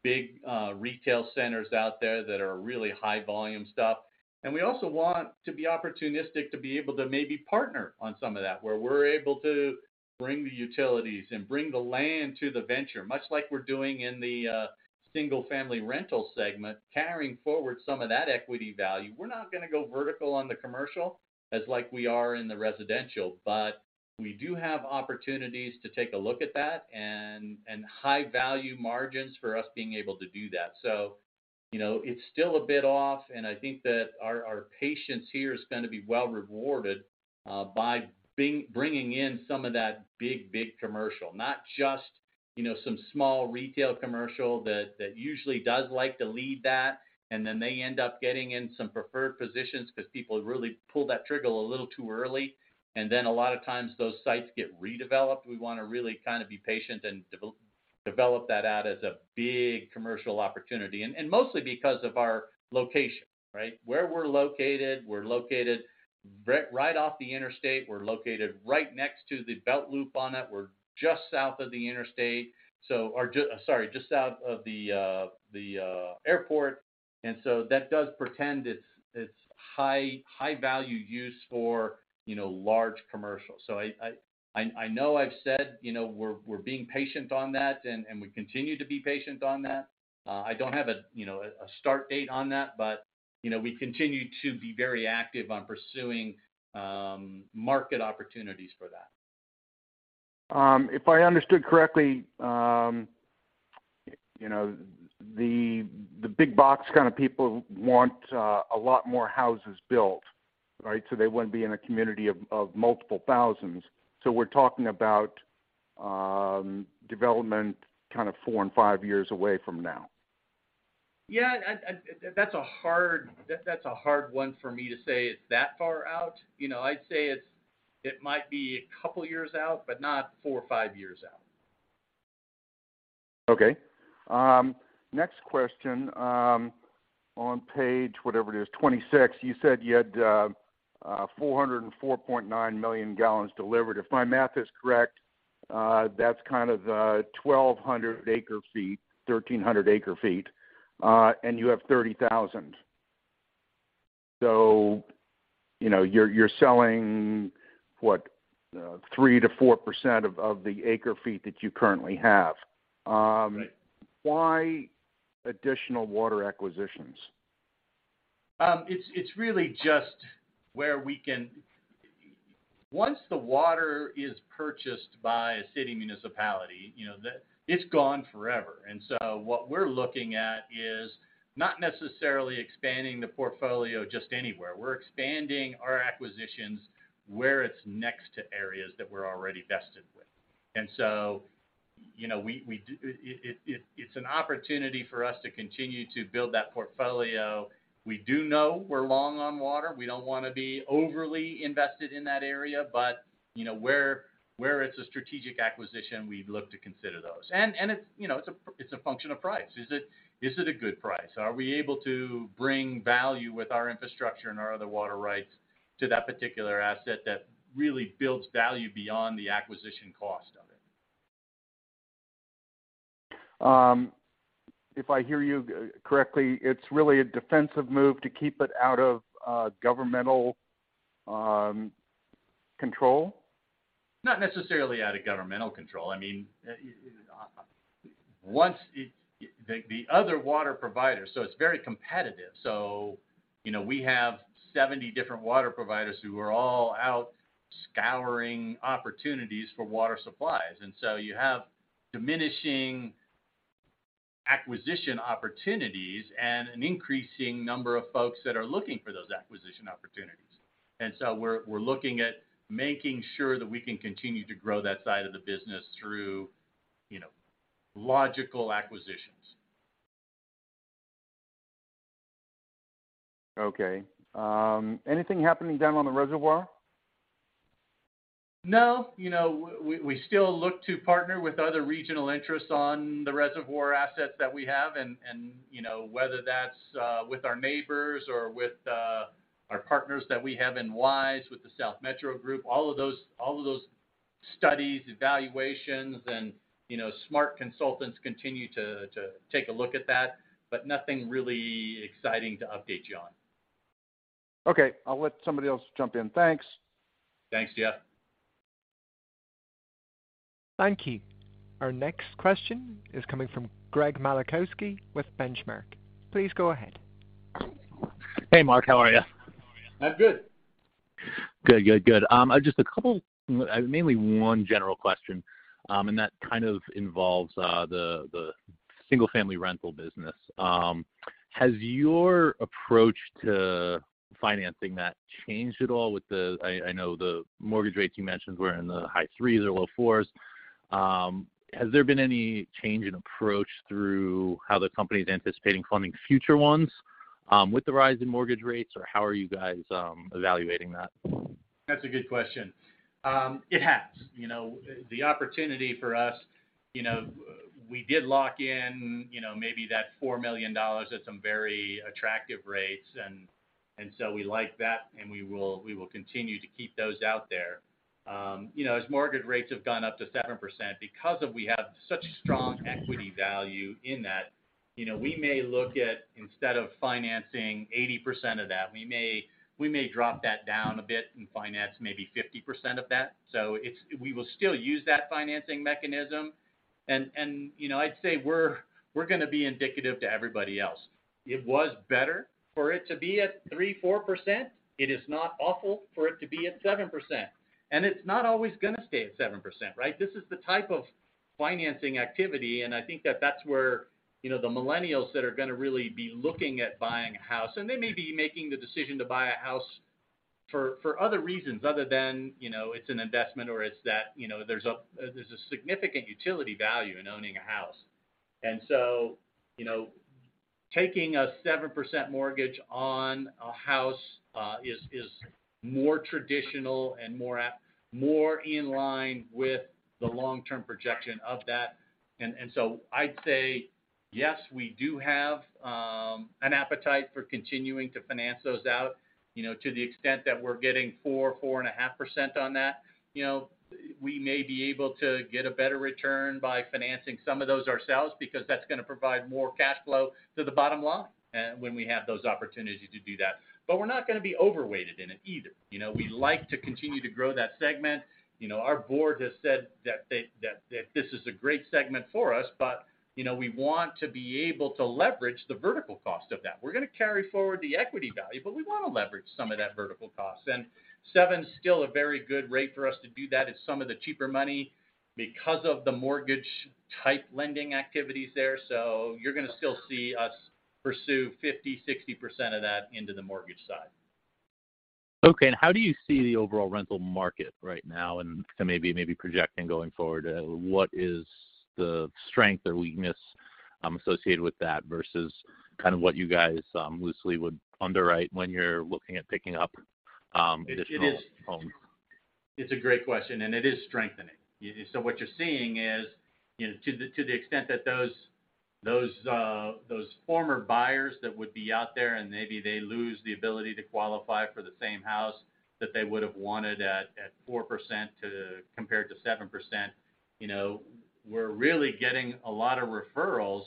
big retail centers out there that are really high volume stuff. We also want to be opportunistic to be able to maybe partner on some of that, where we're able to bring the utilities and bring the land to the venture, much like we're doing in the single-family rental segment, carrying forward some of that equity value. We're not gonna go vertical on the commercial unlike we are in the residential, but we do have opportunities to take a look at that and high value margins for us being able to do that. You know, it's still a bit off, and I think that our patience here is gonna be well rewarded by bringing in some of that big commercial. Not just, you know, some small retail commercial that usually does like to lead that, and then they end up getting in some preferred positions because people really pull that trigger a little too early. Then a lot of times those sites get redeveloped. We wanna really kind of be patient and develop that out as a big commercial opportunity. Mostly because of our location, right? Where we're located right off the interstate, right next to the belt loop on it. We're just south of the interstate, sorry, just south of the airport. That does portend its high value use for, you know, large commercial. I know I've said, you know, we're being patient on that and we continue to be patient on that. I don't have, you know, a start date on that, but, you know, we continue to be very active on pursuing market opportunities for that. If I understood correctly, you know, the big box kind of people want a lot more houses built, right? They wouldn't be in a community of multiple thousands. We're talking about development kind of 4-5 years away from now. Yeah, that's a hard one for me to say it's that far out. You know, I'd say it might be a couple years out, but not 4 or 5 years out. Okay. Next question, on page, whatever it is, 26, you said you had 404.9 million gallons delivered. If my math is correct, that's kind of 1,200 acre feet, 1,300 acre feet, and you have 30,000. You know, you're selling what, 3%-4% of the acre feet that you currently have. Right. Why additional water acquisitions? It's really just where we can. Once the water is purchased by a city municipality, you know, it's gone forever. What we're looking at is not necessarily expanding the portfolio just anywhere. We're expanding our acquisitions where it's next to areas that we're already vested with. You know, it's an opportunity for us to continue to build that portfolio. We do know we're long on water. We don't want to be overly invested in that area, but, you know, where it's a strategic acquisition, we'd look to consider those. It's, you know, it's a function of price. Is it a good price? Are we able to bring value with our infrastructure and our other water rights to that particular asset that really builds value beyond the acquisition cost of it? If I hear you correctly, it's really a defensive move to keep it out of governmental control? Not necessarily out of governmental control. I mean, the other water providers, so it's very competitive. You know, we have 70 different water providers who are all out scouring opportunities for water supplies. You have diminishing acquisition opportunities and an increasing number of folks that are looking for those acquisition opportunities. We're looking at making sure that we can continue to grow that side of the business through, you know, logical acquisitions. Okay. Anything happening down on the reservoir? No. You know, we still look to partner with other regional interests on the reservoir assets that we have and, you know, whether that's with our neighbors or with our partners that we have in WISE, with the South Metro Group, all of those studies, evaluations, and, you know, smart consultants continue to take a look at that, but nothing really exciting to update you on. Okay. I'll let somebody else jump in. Thanks. Thanks, Geoff. Thank you. Our next question is coming from Greg Malachowski with Benchmark. Please go ahead. Hey, Mark. How are you? I'm good. Good. Just a couple, mainly one general question, and that kind of involves the single-family rental business. Has your approach to financing that changed at all? I know the mortgage rates you mentioned were in the high 3% or low 4%. Has there been any change in approach to how the company is anticipating funding future ones, with the rise in mortgage rates, or how are you guys evaluating that? That's a good question. It has. You know, the opportunity for us, you know, we did lock in, you know, maybe that $4 million at some very attractive rates, and so we like that, and we will continue to keep those out there. You know, as mortgage rates have gone up to 7%, because we have such strong equity value in that, you know, we may look at instead of financing 80% of that, drop that down a bit and finance maybe 50% of that. We will still use that financing mechanism and, you know, I'd say we're gonna be in line with everybody else. It was better for it to be at 3%-4%. It is not awful for it to be at 7%, and it's not always gonna stay at 7%, right? This is the type of financing activity, and I think that that's where, you know, the millennials that are gonna really be looking at buying a house, and they may be making the decision to buy a house for other reasons other than, you know, it's an investment or it's that, you know, there's a significant utility value in owning a house. So, you know, taking a 7% mortgage on a house is more traditional and more in line with the long-term projection of that. I'd say yes, we do have an appetite for continuing to finance those out, you know, to the extent that we're getting 4.5% on that. You know, we may be able to get a better return by financing some of those ourselves because that's gonna provide more cash flow to the bottom line and when we have those opportunities to do that. We're not gonna be overweighted in it either. You know, we like to continue to grow that segment. You know, our board has said that this is a great segment for us, but, you know, we want to be able to leverage the vertical cost of that. We're gonna carry forward the equity value, but we wanna leverage some of that vertical cost. 7% is still a very good rate for us to do that. It's some of the cheaper money because of the mortgage type lending activities there. You're gonna still see us pursue 50%-60% of that into the mortgage side. Okay. How do you see the overall rental market right now and maybe projecting going forward, what is the strength or weakness associated with that versus kind of what you guys loosely would underwrite when you're looking at picking up additional homes? It's a great question, and it is strengthening. What you're seeing is, you know, to the extent that those former buyers that would be out there and maybe they lose the ability to qualify for the same house that they would have wanted at 4% compared to 7%, you know, we're really getting a lot of referrals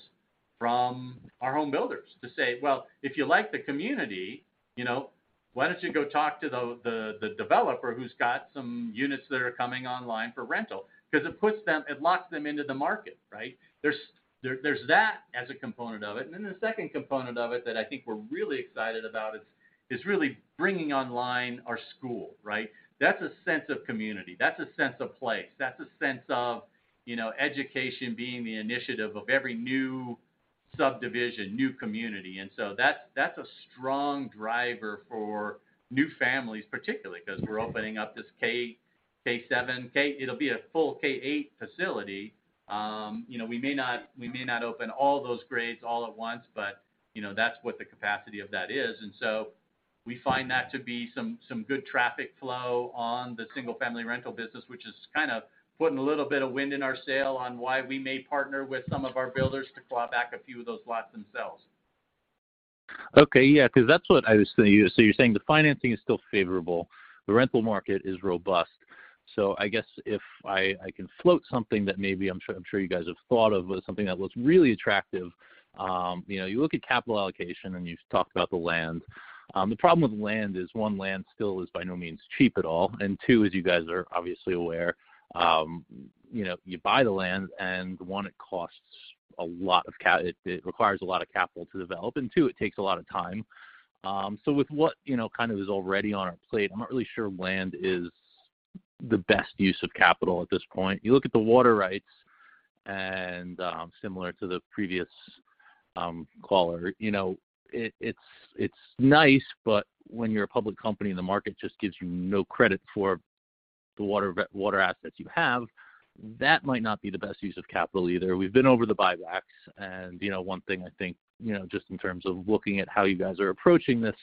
from our home builders to say, "Well, If you like the community, you know, why don't you go talk to the developer who's got some units that are coming online for rental?" Because it puts them, it locks them into the market, right? There's that as a component of it. And then the second component of it that I think we're really excited about is really bringing online our school, right? That's a sense of community. That's a sense of place. That's a sense of, you know, education being the initiative of every new subdivision, new community. That's a strong driver for new families, particularly because we're opening up this K-7. It'll be a full K-8 facility. You know, we may not open all those grades all at once, but, you know, that's what the capacity of that is. We find that to be some good traffic flow on the single-family rental business, which is kind of putting a little bit of wind in our sail on why we may partner with some of our builders to claw back a few of those lots themselves. Okay. Yeah, because that's what I was thinking. You're saying the financing is still favorable, the rental market is robust. I guess if I can float something that maybe I'm sure you guys have thought of, but something that looks really attractive, you know, you look at capital allocation and you've talked about the land. The problem with land is, one, land still is by no means cheap at all. Two, as you guys are obviously aware, you know, you buy the land and one, it requires a lot of capital to develop, and two, it takes a lot of time. With what you know kind of is already on our plate, I'm not really sure land is the best use of capital at this point. You look at the water rights and, similar to the previous caller, you know, it's nice, but when you're a public company and the market just gives you no credit for the water assets you have, that might not be the best use of capital either. We've been over the buybacks and, you know, one thing I think, you know, just in terms of looking at how you guys are approaching this,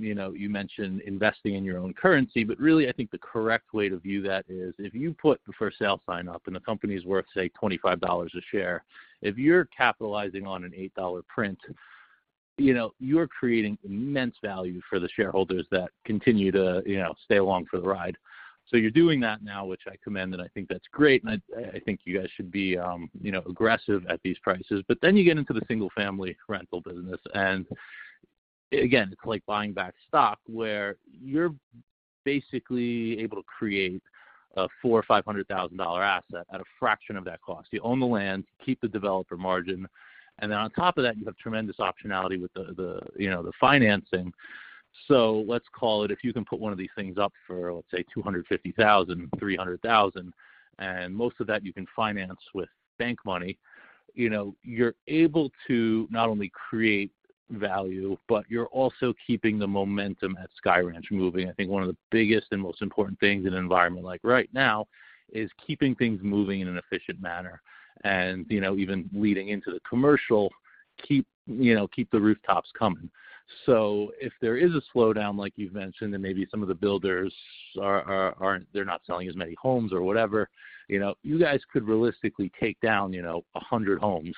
you know, you mentioned investing in your own currency, but really I think the correct way to view that is if you put the for sale sign up and the company is worth, say, $25 a share, if you're capitalizing on an $8 print, you know, you're creating immense value for the shareholders that continue to, you know, stay along for the ride. You're doing that now, which I commend, and I think that's great, and I think you guys should be, you know, aggressive at these prices. But then you get into the single family rental business and again, it's like buying back stock where you're basically able to create a $400,000-$500,000 asset at a fraction of that cost. You own the land, keep the developer margin, and then on top of that you have tremendous optionality with the, you know, the financing. Let's call it if you can put one of these things up for let's say $250,000-$300,000, and most of that you can finance with bank money, you know, you're able to not only create value, but you're also keeping the momentum at Sky Ranch moving. I think one of the biggest and most important things in an environment like right now is keeping things moving in an efficient manner and, you know, even leading into the commercial, keep, you know, keep the rooftops coming. If there is a slowdown like you've mentioned, and maybe some of the builders they're not selling as many homes or whatever, you know, you guys could realistically take down, you know, 100 homes.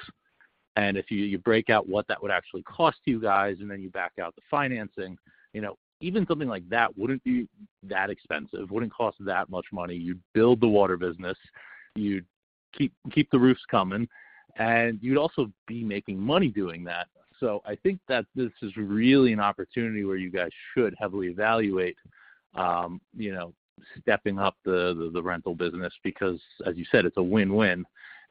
If you break out what that would actually cost you guys, and then you back out the financing, you know, even something like that wouldn't be that expensive, wouldn't cost that much money. You build the water business, you'd keep the roofs coming, and you'd also be making money doing that. I think that this is really an opportunity where you guys should heavily evaluate, you know, stepping up the rental business because as you said, it's a win-win.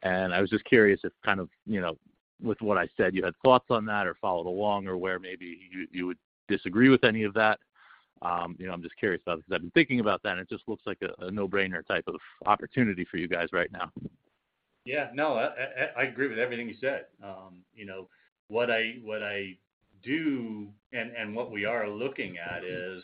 I was just curious if kind of, you know, with what I said you had thoughts on that or followed along or where maybe you would disagree with any of that. You know, I'm just curious about it because I've been thinking about that and it just looks like a no-brainer type of opportunity for you guys right now. Yeah, no, I agree with everything you said. You know, what I do and what we are looking at is,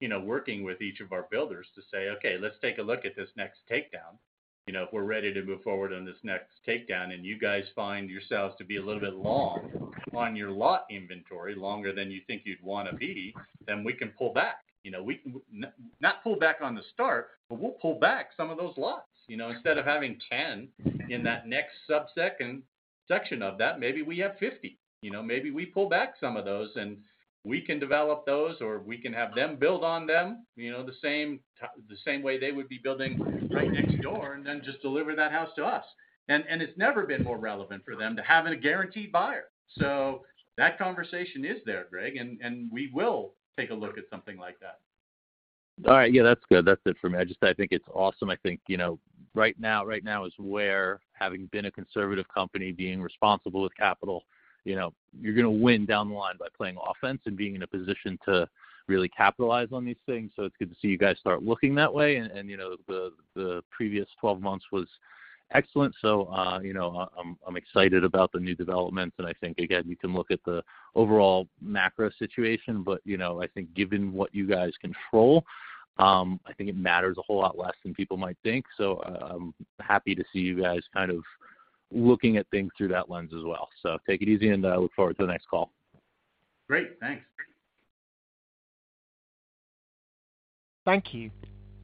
you know, working with each of our builders to say, "Okay, let's take a look at this next takedown." You know, if we're ready to move forward on this next takedown and you guys find yourselves to be a little bit long on your lot inventory, longer than you think you'd want to be, then we can pull back. You know, we can not pull back on the start, but we'll pull back some of those lots. You know, instead of having 10 in that next sub second section of that, maybe we have 50, you know, maybe we pull back some of those and we can develop those or we can have them build on them, you know, the same way they would be building right next door and then just deliver that house to us. It's never been more relevant for them to have a guaranteed buyer. That conversation is there, Greg, and we will take a look at something like that. All right. Yeah, that's good. That's it for me. I just think it's awesome. I think, you know, right now is where having been a conservative company, being responsible with capital, you know, you're gonna win down the line by playing offense and being in a position to really capitalize on these things. It's good to see you guys start looking that way. You know, the previous 12 months was excellent. You know, I'm excited about the new developments. I think, again, you can look at the overall macro situation, but, you know, I think given what you guys control, I think it matters a whole lot less than people might think. I'm happy to see you guys kind of looking at things through that lens as well. Take it easy, and I look forward to the next call. Great. Thanks. Thank you.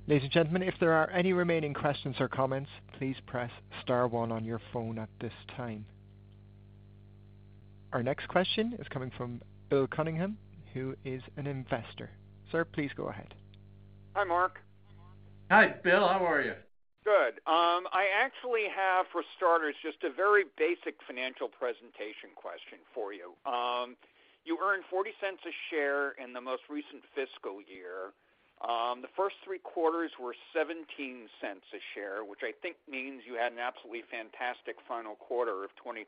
Ladies and gentlemen, if there are any remaining questions or comments, please press star one on your phone at this time. Our next question is coming from Bill Cunningham, who is an investor. Sir, please go ahead. Hi, Mark. Hi, Bill. How are you? Good. I actually have, for starters, just a very basic financial presentation question for you. You earned $0.40 a share in the most recent fiscal year. The first three quarters were $0.17 a share, which I think means you had an absolutely fantastic final quarter of $0.23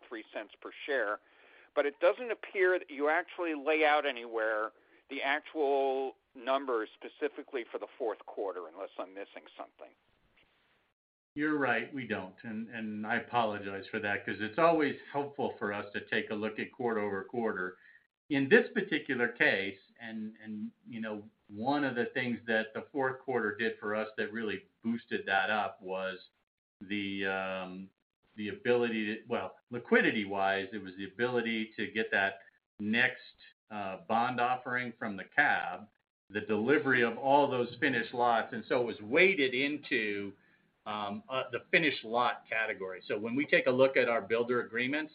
per share. It doesn't appear you actually lay out anywhere the actual numbers specifically for the fourth quarter, unless I'm missing something. You're right, we don't. I apologize for that because it's always helpful for us to take a look at quarter-over-quarter. In this particular case, you know, one of the things that the fourth quarter did for us that really boosted that up was, liquidity-wise, the ability to get that next bond offering from the CAB, the delivery of all those finished lots, and so it was weighted into the finished lot category. When we take a look at our builder agreements,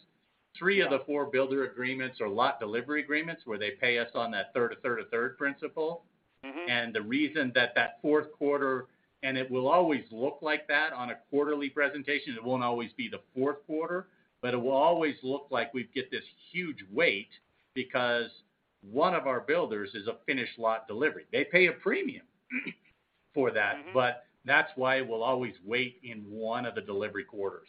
three of the four builder agreements are lot delivery agreements where they pay us on a third principal. Mm-hmm. The reason that fourth quarter, and it will always look like that on a quarterly presentation, it won't always be the fourth quarter, but it will always look like we get this huge weight because one of our builders is a finished lot delivery. They pay a premium for that. Mm-hmm. That's why it will always weigh in one of the delivery quarters.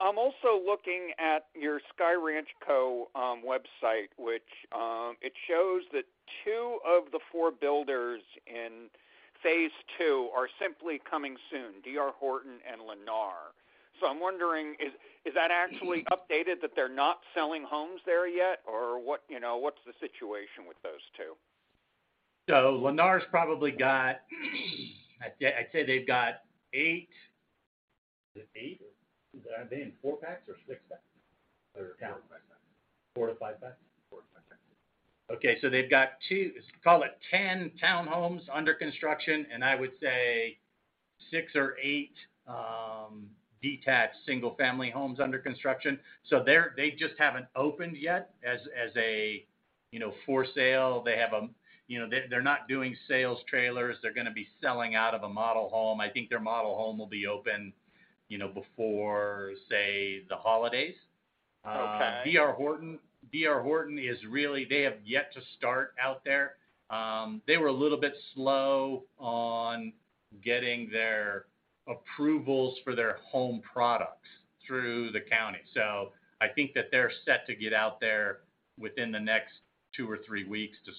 I'm also looking at your Sky Ranch website, which it shows that two of the four builders in phase two are simply coming soon, D.R. Horton and Lennar. I'm wondering, is that actually updated that they're not selling homes there yet or what, you know, what's the situation with those two? Lennar's probably got, I'd say, they've got 8... Is it 8 or are they in 4 packs or 6 packs or count? 4-5 packs. 4-5 packs? 4-5 packs. Okay, they've got two. Call it 10 town homes under construction, and I would say 6 or 8 detached single-family homes under construction. They're just haven't opened yet as a, you know, for sale. They have, you know, they're not doing sales trailers. They're gonna be selling out of a model home. I think their model home will be open, you know, before, say, the holidays. Okay. D.R. Horton is really, they have yet to start out there. They were a little bit slow on getting their approvals for their home products through the county. I think that they're set to get out there within the next 2 or 3 weeks to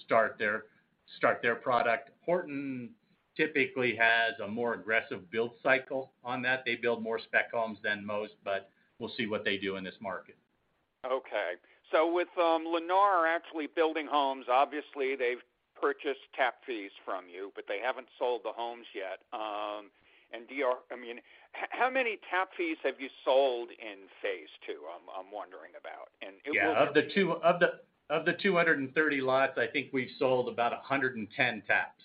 start their product. Horton typically has a more aggressive build cycle on that. They build more spec homes than most, but we'll see what they do in this market. With Lennar actually building homes, obviously they've purchased tap fees from you, but they haven't sold the homes yet. How many tap fees have you sold in phase two, I'm wondering about? It will- Yeah. Of the 230 lots, I think we've sold about 110 taps.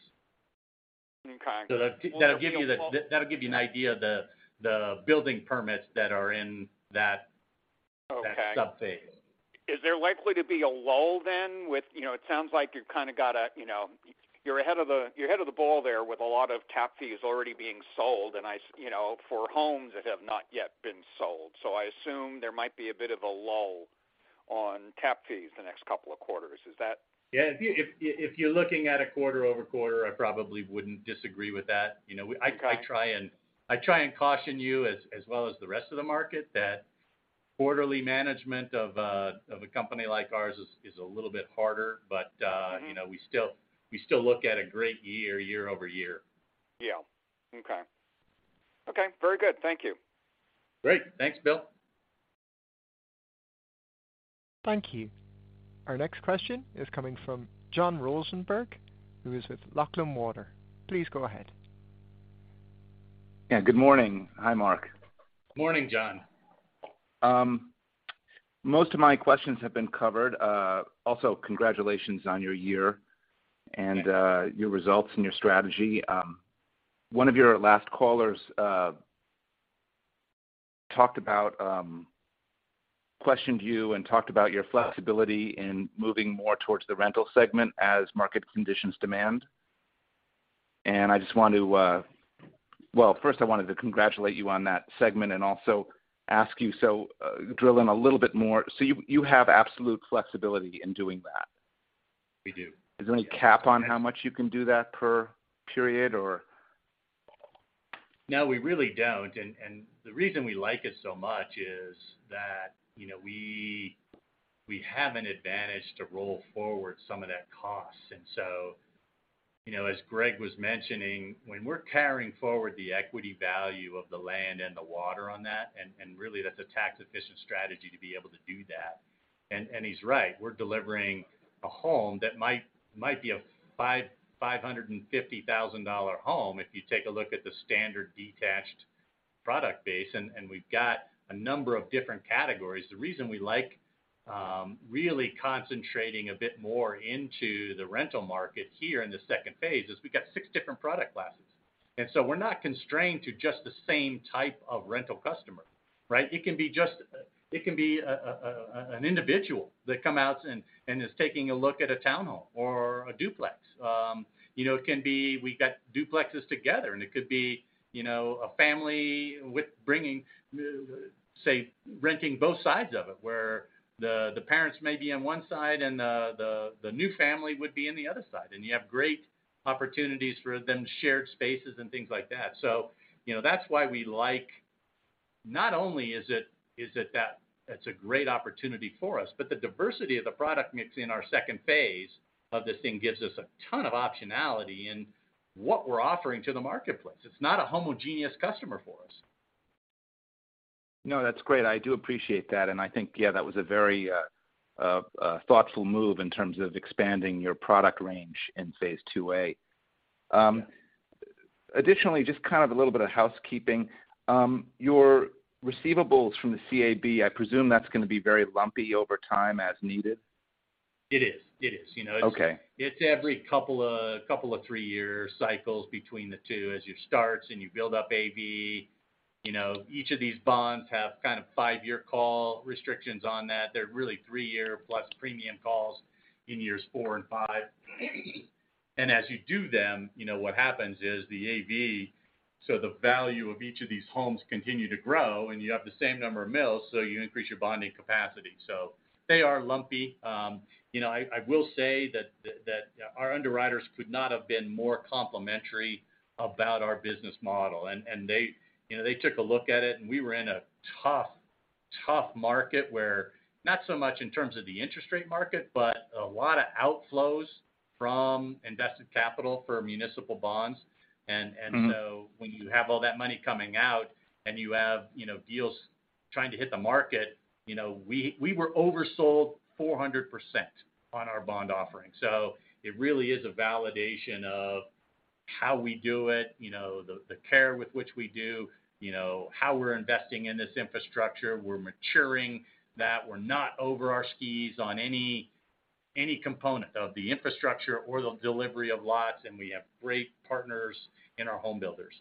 Okay. That'll give you an idea of the building permits that are in that. Okay. that subphase. Is there likely to be a lull then with, you know, it sounds like you kinda got a, you know. You're ahead of the ball there with a lot of tap fees already being sold, and you know, for homes that have not yet been sold. I assume there might be a bit of a lull on tap fees the next couple of quarters. Is that? Yeah. If you're looking at a quarter-over-quarter, I probably wouldn't disagree with that. You know, we. Okay. I try and caution you as well as the rest of the market that quarterly management of a company like ours is a little bit harder. But Mm-hmm. You know, we still look at a great year-over-year. Yeah. Okay. Okay, very good. Thank you. Great. Thanks, Bill. Thank you. Our next question is coming from John Rosenberg, who is with Loughlin Water. Please go ahead. Yeah, good morning. Hi, Mark. Morning, John. Most of my questions have been covered. Also, congratulations on your year and your results and your strategy. One of your last callers questioned you and talked about your flexibility in moving more towards the rental segment as market conditions demand. Well, first I wanted to congratulate you on that segment and also ask you, so drill in a little bit more. You have absolute flexibility in doing that? We do. Is there any cap on how much you can do that per period or? No, we really don't. The reason we like it so much is that, you know, we have an advantage to roll forward some of that cost. You know, as Greg was mentioning, when we're carrying forward the equity value of the land and the water on that, really that's a tax-efficient strategy to be able to do that. He's right, we're delivering a home that might be a $550,000 home if you take a look at the standard detached product base, we've got a number of different categories. The reason we like really concentrating a bit more into the rental market here in the second phase is we've got six different product classes. We're not constrained to just the same type of rental customer, right? It can be just. It can be an individual that come out and is taking a look at a townhome or a duplex. You know, it can be we've got duplexes together, and it could be, you know, a family with, say, renting both sides of it, where the parents may be on one side and the new family would be in the other side. You have great opportunities for their shared spaces and things like that. You know, that's why we like it. Not only is it a great opportunity for us, but the diversity of the product mix in our second phase of this thing gives us a ton of optionality in what we're offering to the marketplace. It's not a homogeneous customer for us. No, that's great. I do appreciate that. I think, yeah, that was a very thoughtful move in terms of expanding your product range in phase two A. Additionally, just kind of a little bit of housekeeping. Your receivables from the CAB, I presume that's gonna be very lumpy over time as needed. It is. It is. You know- Okay. It's every couple of 3-year cycles between the two as you start and you build up AV. You know, each of these bonds have kind of 5-year call restrictions on that. They're really 3-year plus premium calls in years 4 and 5. As you do them, you know, what happens is the AV, so the value of each of these homes continue to grow, and you have the same number of mills, so you increase your bonding capacity. They are lumpy. You know, I will say that our underwriters could not have been more complimentary about our business model. They, you know, they took a look at it, and we were in a tough market where, not so much in terms of the interest rate market, but a lot of outflows from invested capital for municipal bonds. when you have all that money coming out and you have, you know, deals trying to hit the market, you know, we were oversold 400% on our bond offering. It really is a validation of how we do it, you know, the care with which we do, you know, how we're investing in this infrastructure. We're maturing that. We're not over our skis on any component of the infrastructure or the delivery of lots, and we have great partners in our home builders.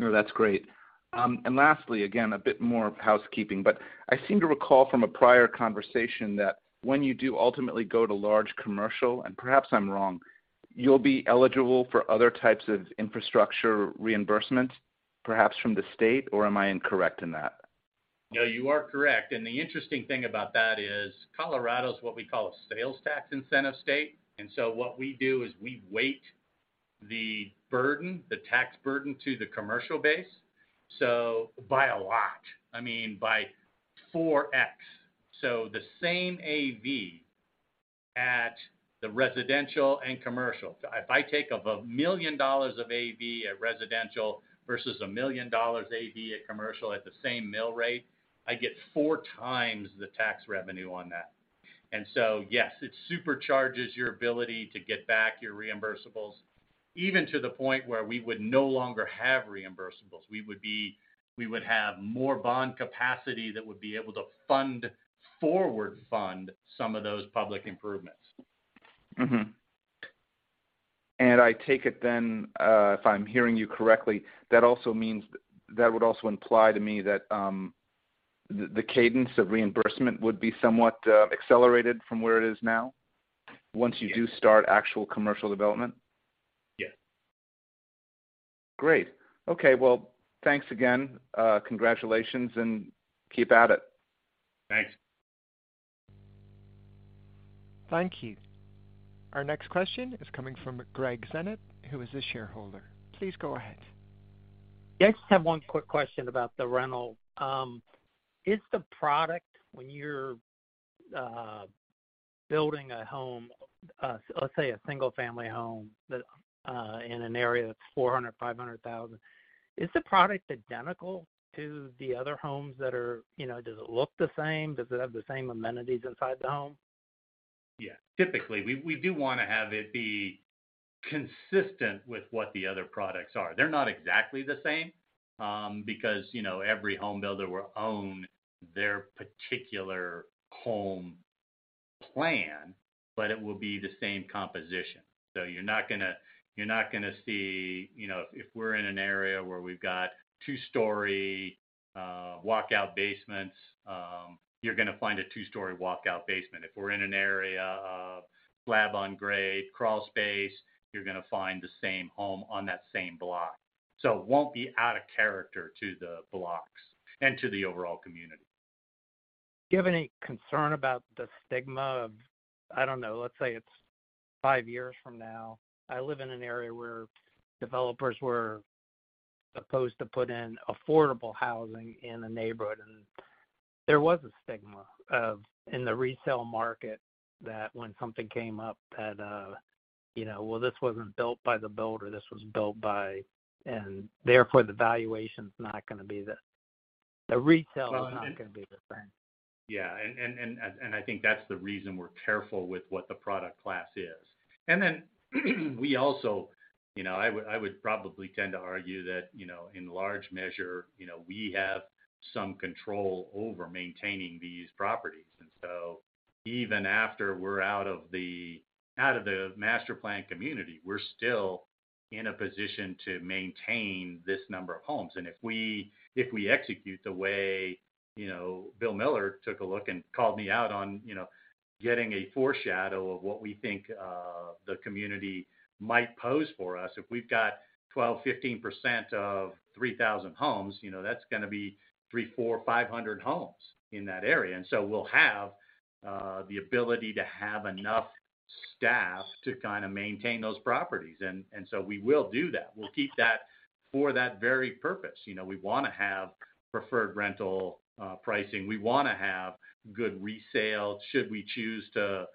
No, that's great. Lastly, again, a bit more of housekeeping, but I seem to recall from a prior conversation that when you do ultimately go to large commercial, and perhaps I'm wrong, you'll be eligible for other types of infrastructure reimbursements, perhaps from the state, or am I incorrect in that? No, you are correct. The interesting thing about that is Colorado is what we call a sales tax incentive state. What we do is we weight the burden, the tax burden to the commercial base. By a lot, I mean by 4x. The same AV at the residential and commercial. If I take $1 million of AV at residential versus $1 million AV at commercial at the same mill rate, I get 4 times the tax revenue on that. Yes, it supercharges your ability to get back your reimbursables, even to the point where we would no longer have reimbursables. We would have more bond capacity that would be able to forward fund some of those public improvements. Mm-hmm. I take it then, if I'm hearing you correctly, that also means that would also imply to me that the cadence of reimbursement would be somewhat accelerated from where it is now once you do start actual commercial development. Yes. Great. Okay. Well, thanks again. Congratulations, and keep at it. Thanks. Thank you. Our next question is coming from Greg Sennett, who is a shareholder. Please go ahead. Yes, I have one quick question about the rental. Is the product when you're building a home, let's say a single family home that in an area that's $400,000-$500,000, is the product identical to the other homes that are, you know, does it look the same? Does it have the same amenities inside the home? Yeah, typically, we do wanna have it be consistent with what the other products are. They're not exactly the same, because, you know, every home builder will own their particular home plan, but it will be the same composition. You're not gonna see. You know, if we're in an area where we've got two-story walkout basements, you're gonna find a two-story walkout basement. If we're in an area of slab on grade crawl space, you're gonna find the same home on that same block. It won't be out of character to the blocks and to the overall community. Do you have any concern about the stigma of, I don't know, let's say it's five years from now, I live in an area where developers were supposed to put in affordable housing in a neighborhood, and there was a stigma in the resale market that when something came up that, you know, well, this wasn't built by the builder, this was built by and therefore, the valuation's not gonna be the resale? Well. is not gonna be the same. Yeah. I think that's the reason we're careful with what the product class is. Then we also you know, I would probably tend to argue that, you know, in large measure, you know, we have some control over maintaining these properties. So even after we're out of the master plan community, we're still in a position to maintain this number of homes. If we execute the way, you know, William Miller took a look and called me out on, you know, getting a foreshadow of what we think the community might pose for us. If we've got 12, 15% of 3,000 homes, you know, that's gonna be 300, 400, 500 homes in that area. So we'll have the ability to have enough staff to kinda maintain those properties. We will do that. We'll keep that for that very purpose. You know, we wanna have preferred rental pricing. We wanna have good resale should we choose to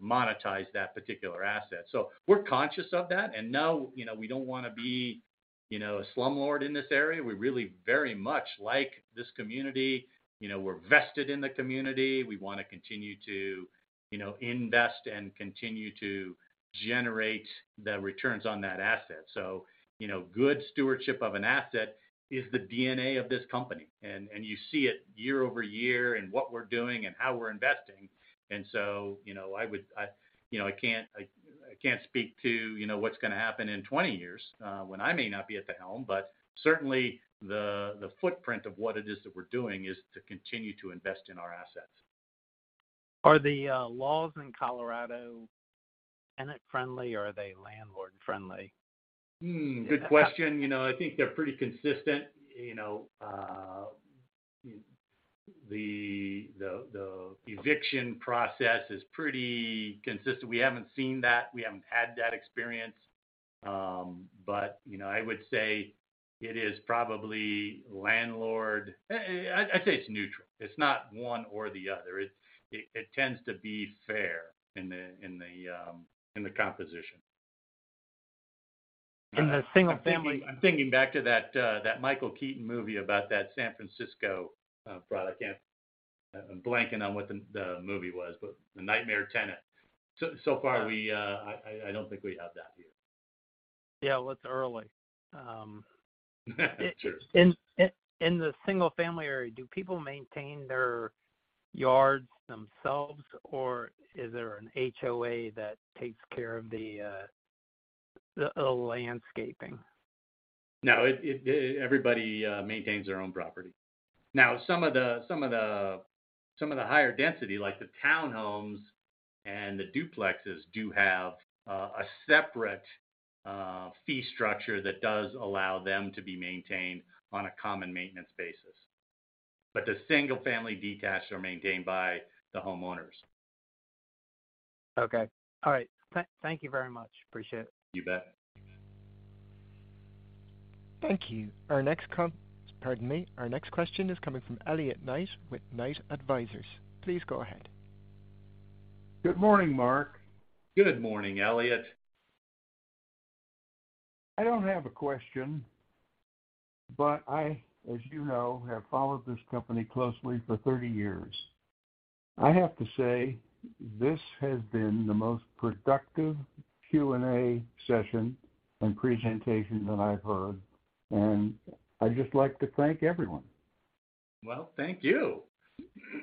monetize that particular asset. We're conscious of that. No, you know, we don't wanna be, you know, a slumlord in this area. We really very much like this community. You know, we're vested in the community. We wanna continue to, you know, invest and continue to generate the returns on that asset. You know, good stewardship of an asset is the DNA of this company. You see it year over year in what we're doing and how we're investing. You know, I can't speak to, you know, what's gonna happen in 20 years, when I may not be at the helm. Certainly, the footprint of what it is that we're doing is to continue to invest in our assets. Are the laws in Colorado tenant-friendly or are they landlord-friendly? Good question. You know, I think they're pretty consistent. You know, the eviction process is pretty consistent. We haven't seen that. We haven't had that experience. You know, I would say it's neutral. It's not one or the other. It tends to be fair in the composition. In the single family. I'm thinking back to that Michael Keaton movie about that San Francisco project. I can't. I'm blanking on what the movie was, but The Nightmare Tenant. So far I don't think we have that here. Yeah, well, it's early. Sure. In the single-family area, do people maintain their yards themselves, or is there an HOA that takes care of the landscaping? No. Everybody maintains their own property. Now, some of the higher density, like the townhomes and the duplexes, do have a separate fee structure that does allow them to be maintained on a common maintenance basis. The single-family detached are maintained by the homeowners. Okay. All right. Thank you very much. Appreciate it. You bet. Thank you. Our next question is coming from Elliot Knight with Knight Advisors. Please go ahead. Good morning, Mark. Good morning, Elliot. I don't have a question, but I, as you know, have followed this company closely for 30 years. I have to say, this has been the most productive Q&A session and presentation that I've heard, and I'd just like to thank everyone. Well, thank you.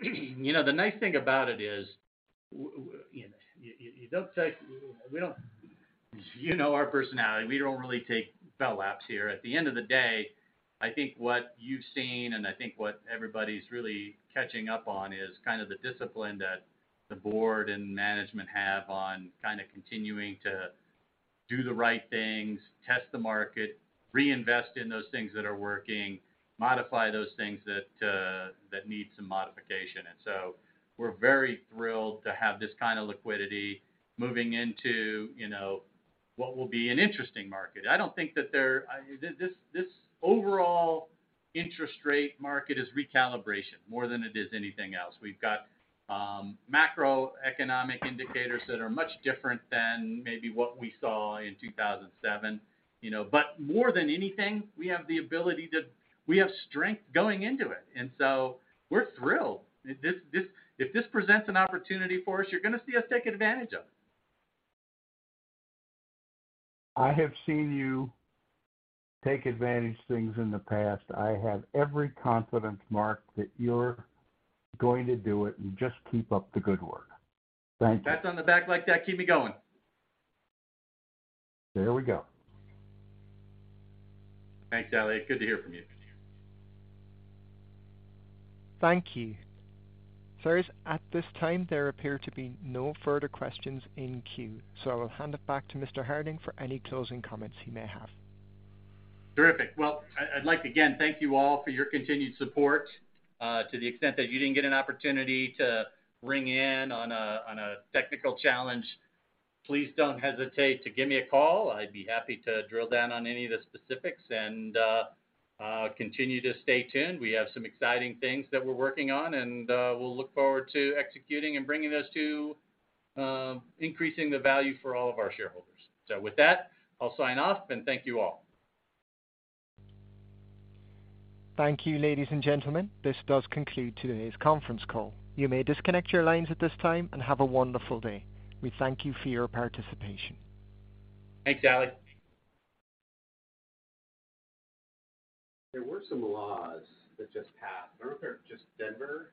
You know, the nice thing about it is we don't really take bow laps here. At the end of the day, I think what you've seen, and I think what everybody's really catching up on is kind of the discipline that the board and management have on kinda continuing to do the right things, test the market, reinvest in those things that are working, modify those things that need some modification. We're very thrilled to have this kind of liquidity moving into, you know, what will be an interesting market. I don't think that this overall interest rate market is a recalibration more than it is anything else. We've got macroeconomic indicators that are much different than maybe what we saw in 2007, you know? More than anything, we have strength going into it, and so we're thrilled. If this presents an opportunity for us, you're gonna see us take advantage of it. I have seen you take advantage of things in the past. I have every confidence, Mark, that you're going to do it, and just keep up the good work. Thank you. Pats on the back like that keep me going. There we go. Thanks, Elliot. Good to hear from you. Thank you. Sirs, at this time, there appear to be no further questions in queue, so I will hand it back to Mr. Harding for any closing comments he may have. Terrific. Well, I'd like to again thank you all for your continued support. To the extent that you didn't get an opportunity to ring in on a technical challenge, please don't hesitate to give me a call. I'd be happy to drill down on any of the specifics and continue to stay tuned. We have some exciting things that we're working on, and we'll look forward to executing and bringing those to increasing the value for all of our shareholders. With that, I'll sign off, and thank you all. Thank you, ladies and gentlemen. This does conclude today's conference call. You may disconnect your lines at this time, and have a wonderful day. We thank you for your participation. Thanks, Elliot. There were some laws that just passed. I don't know if they're just Denver.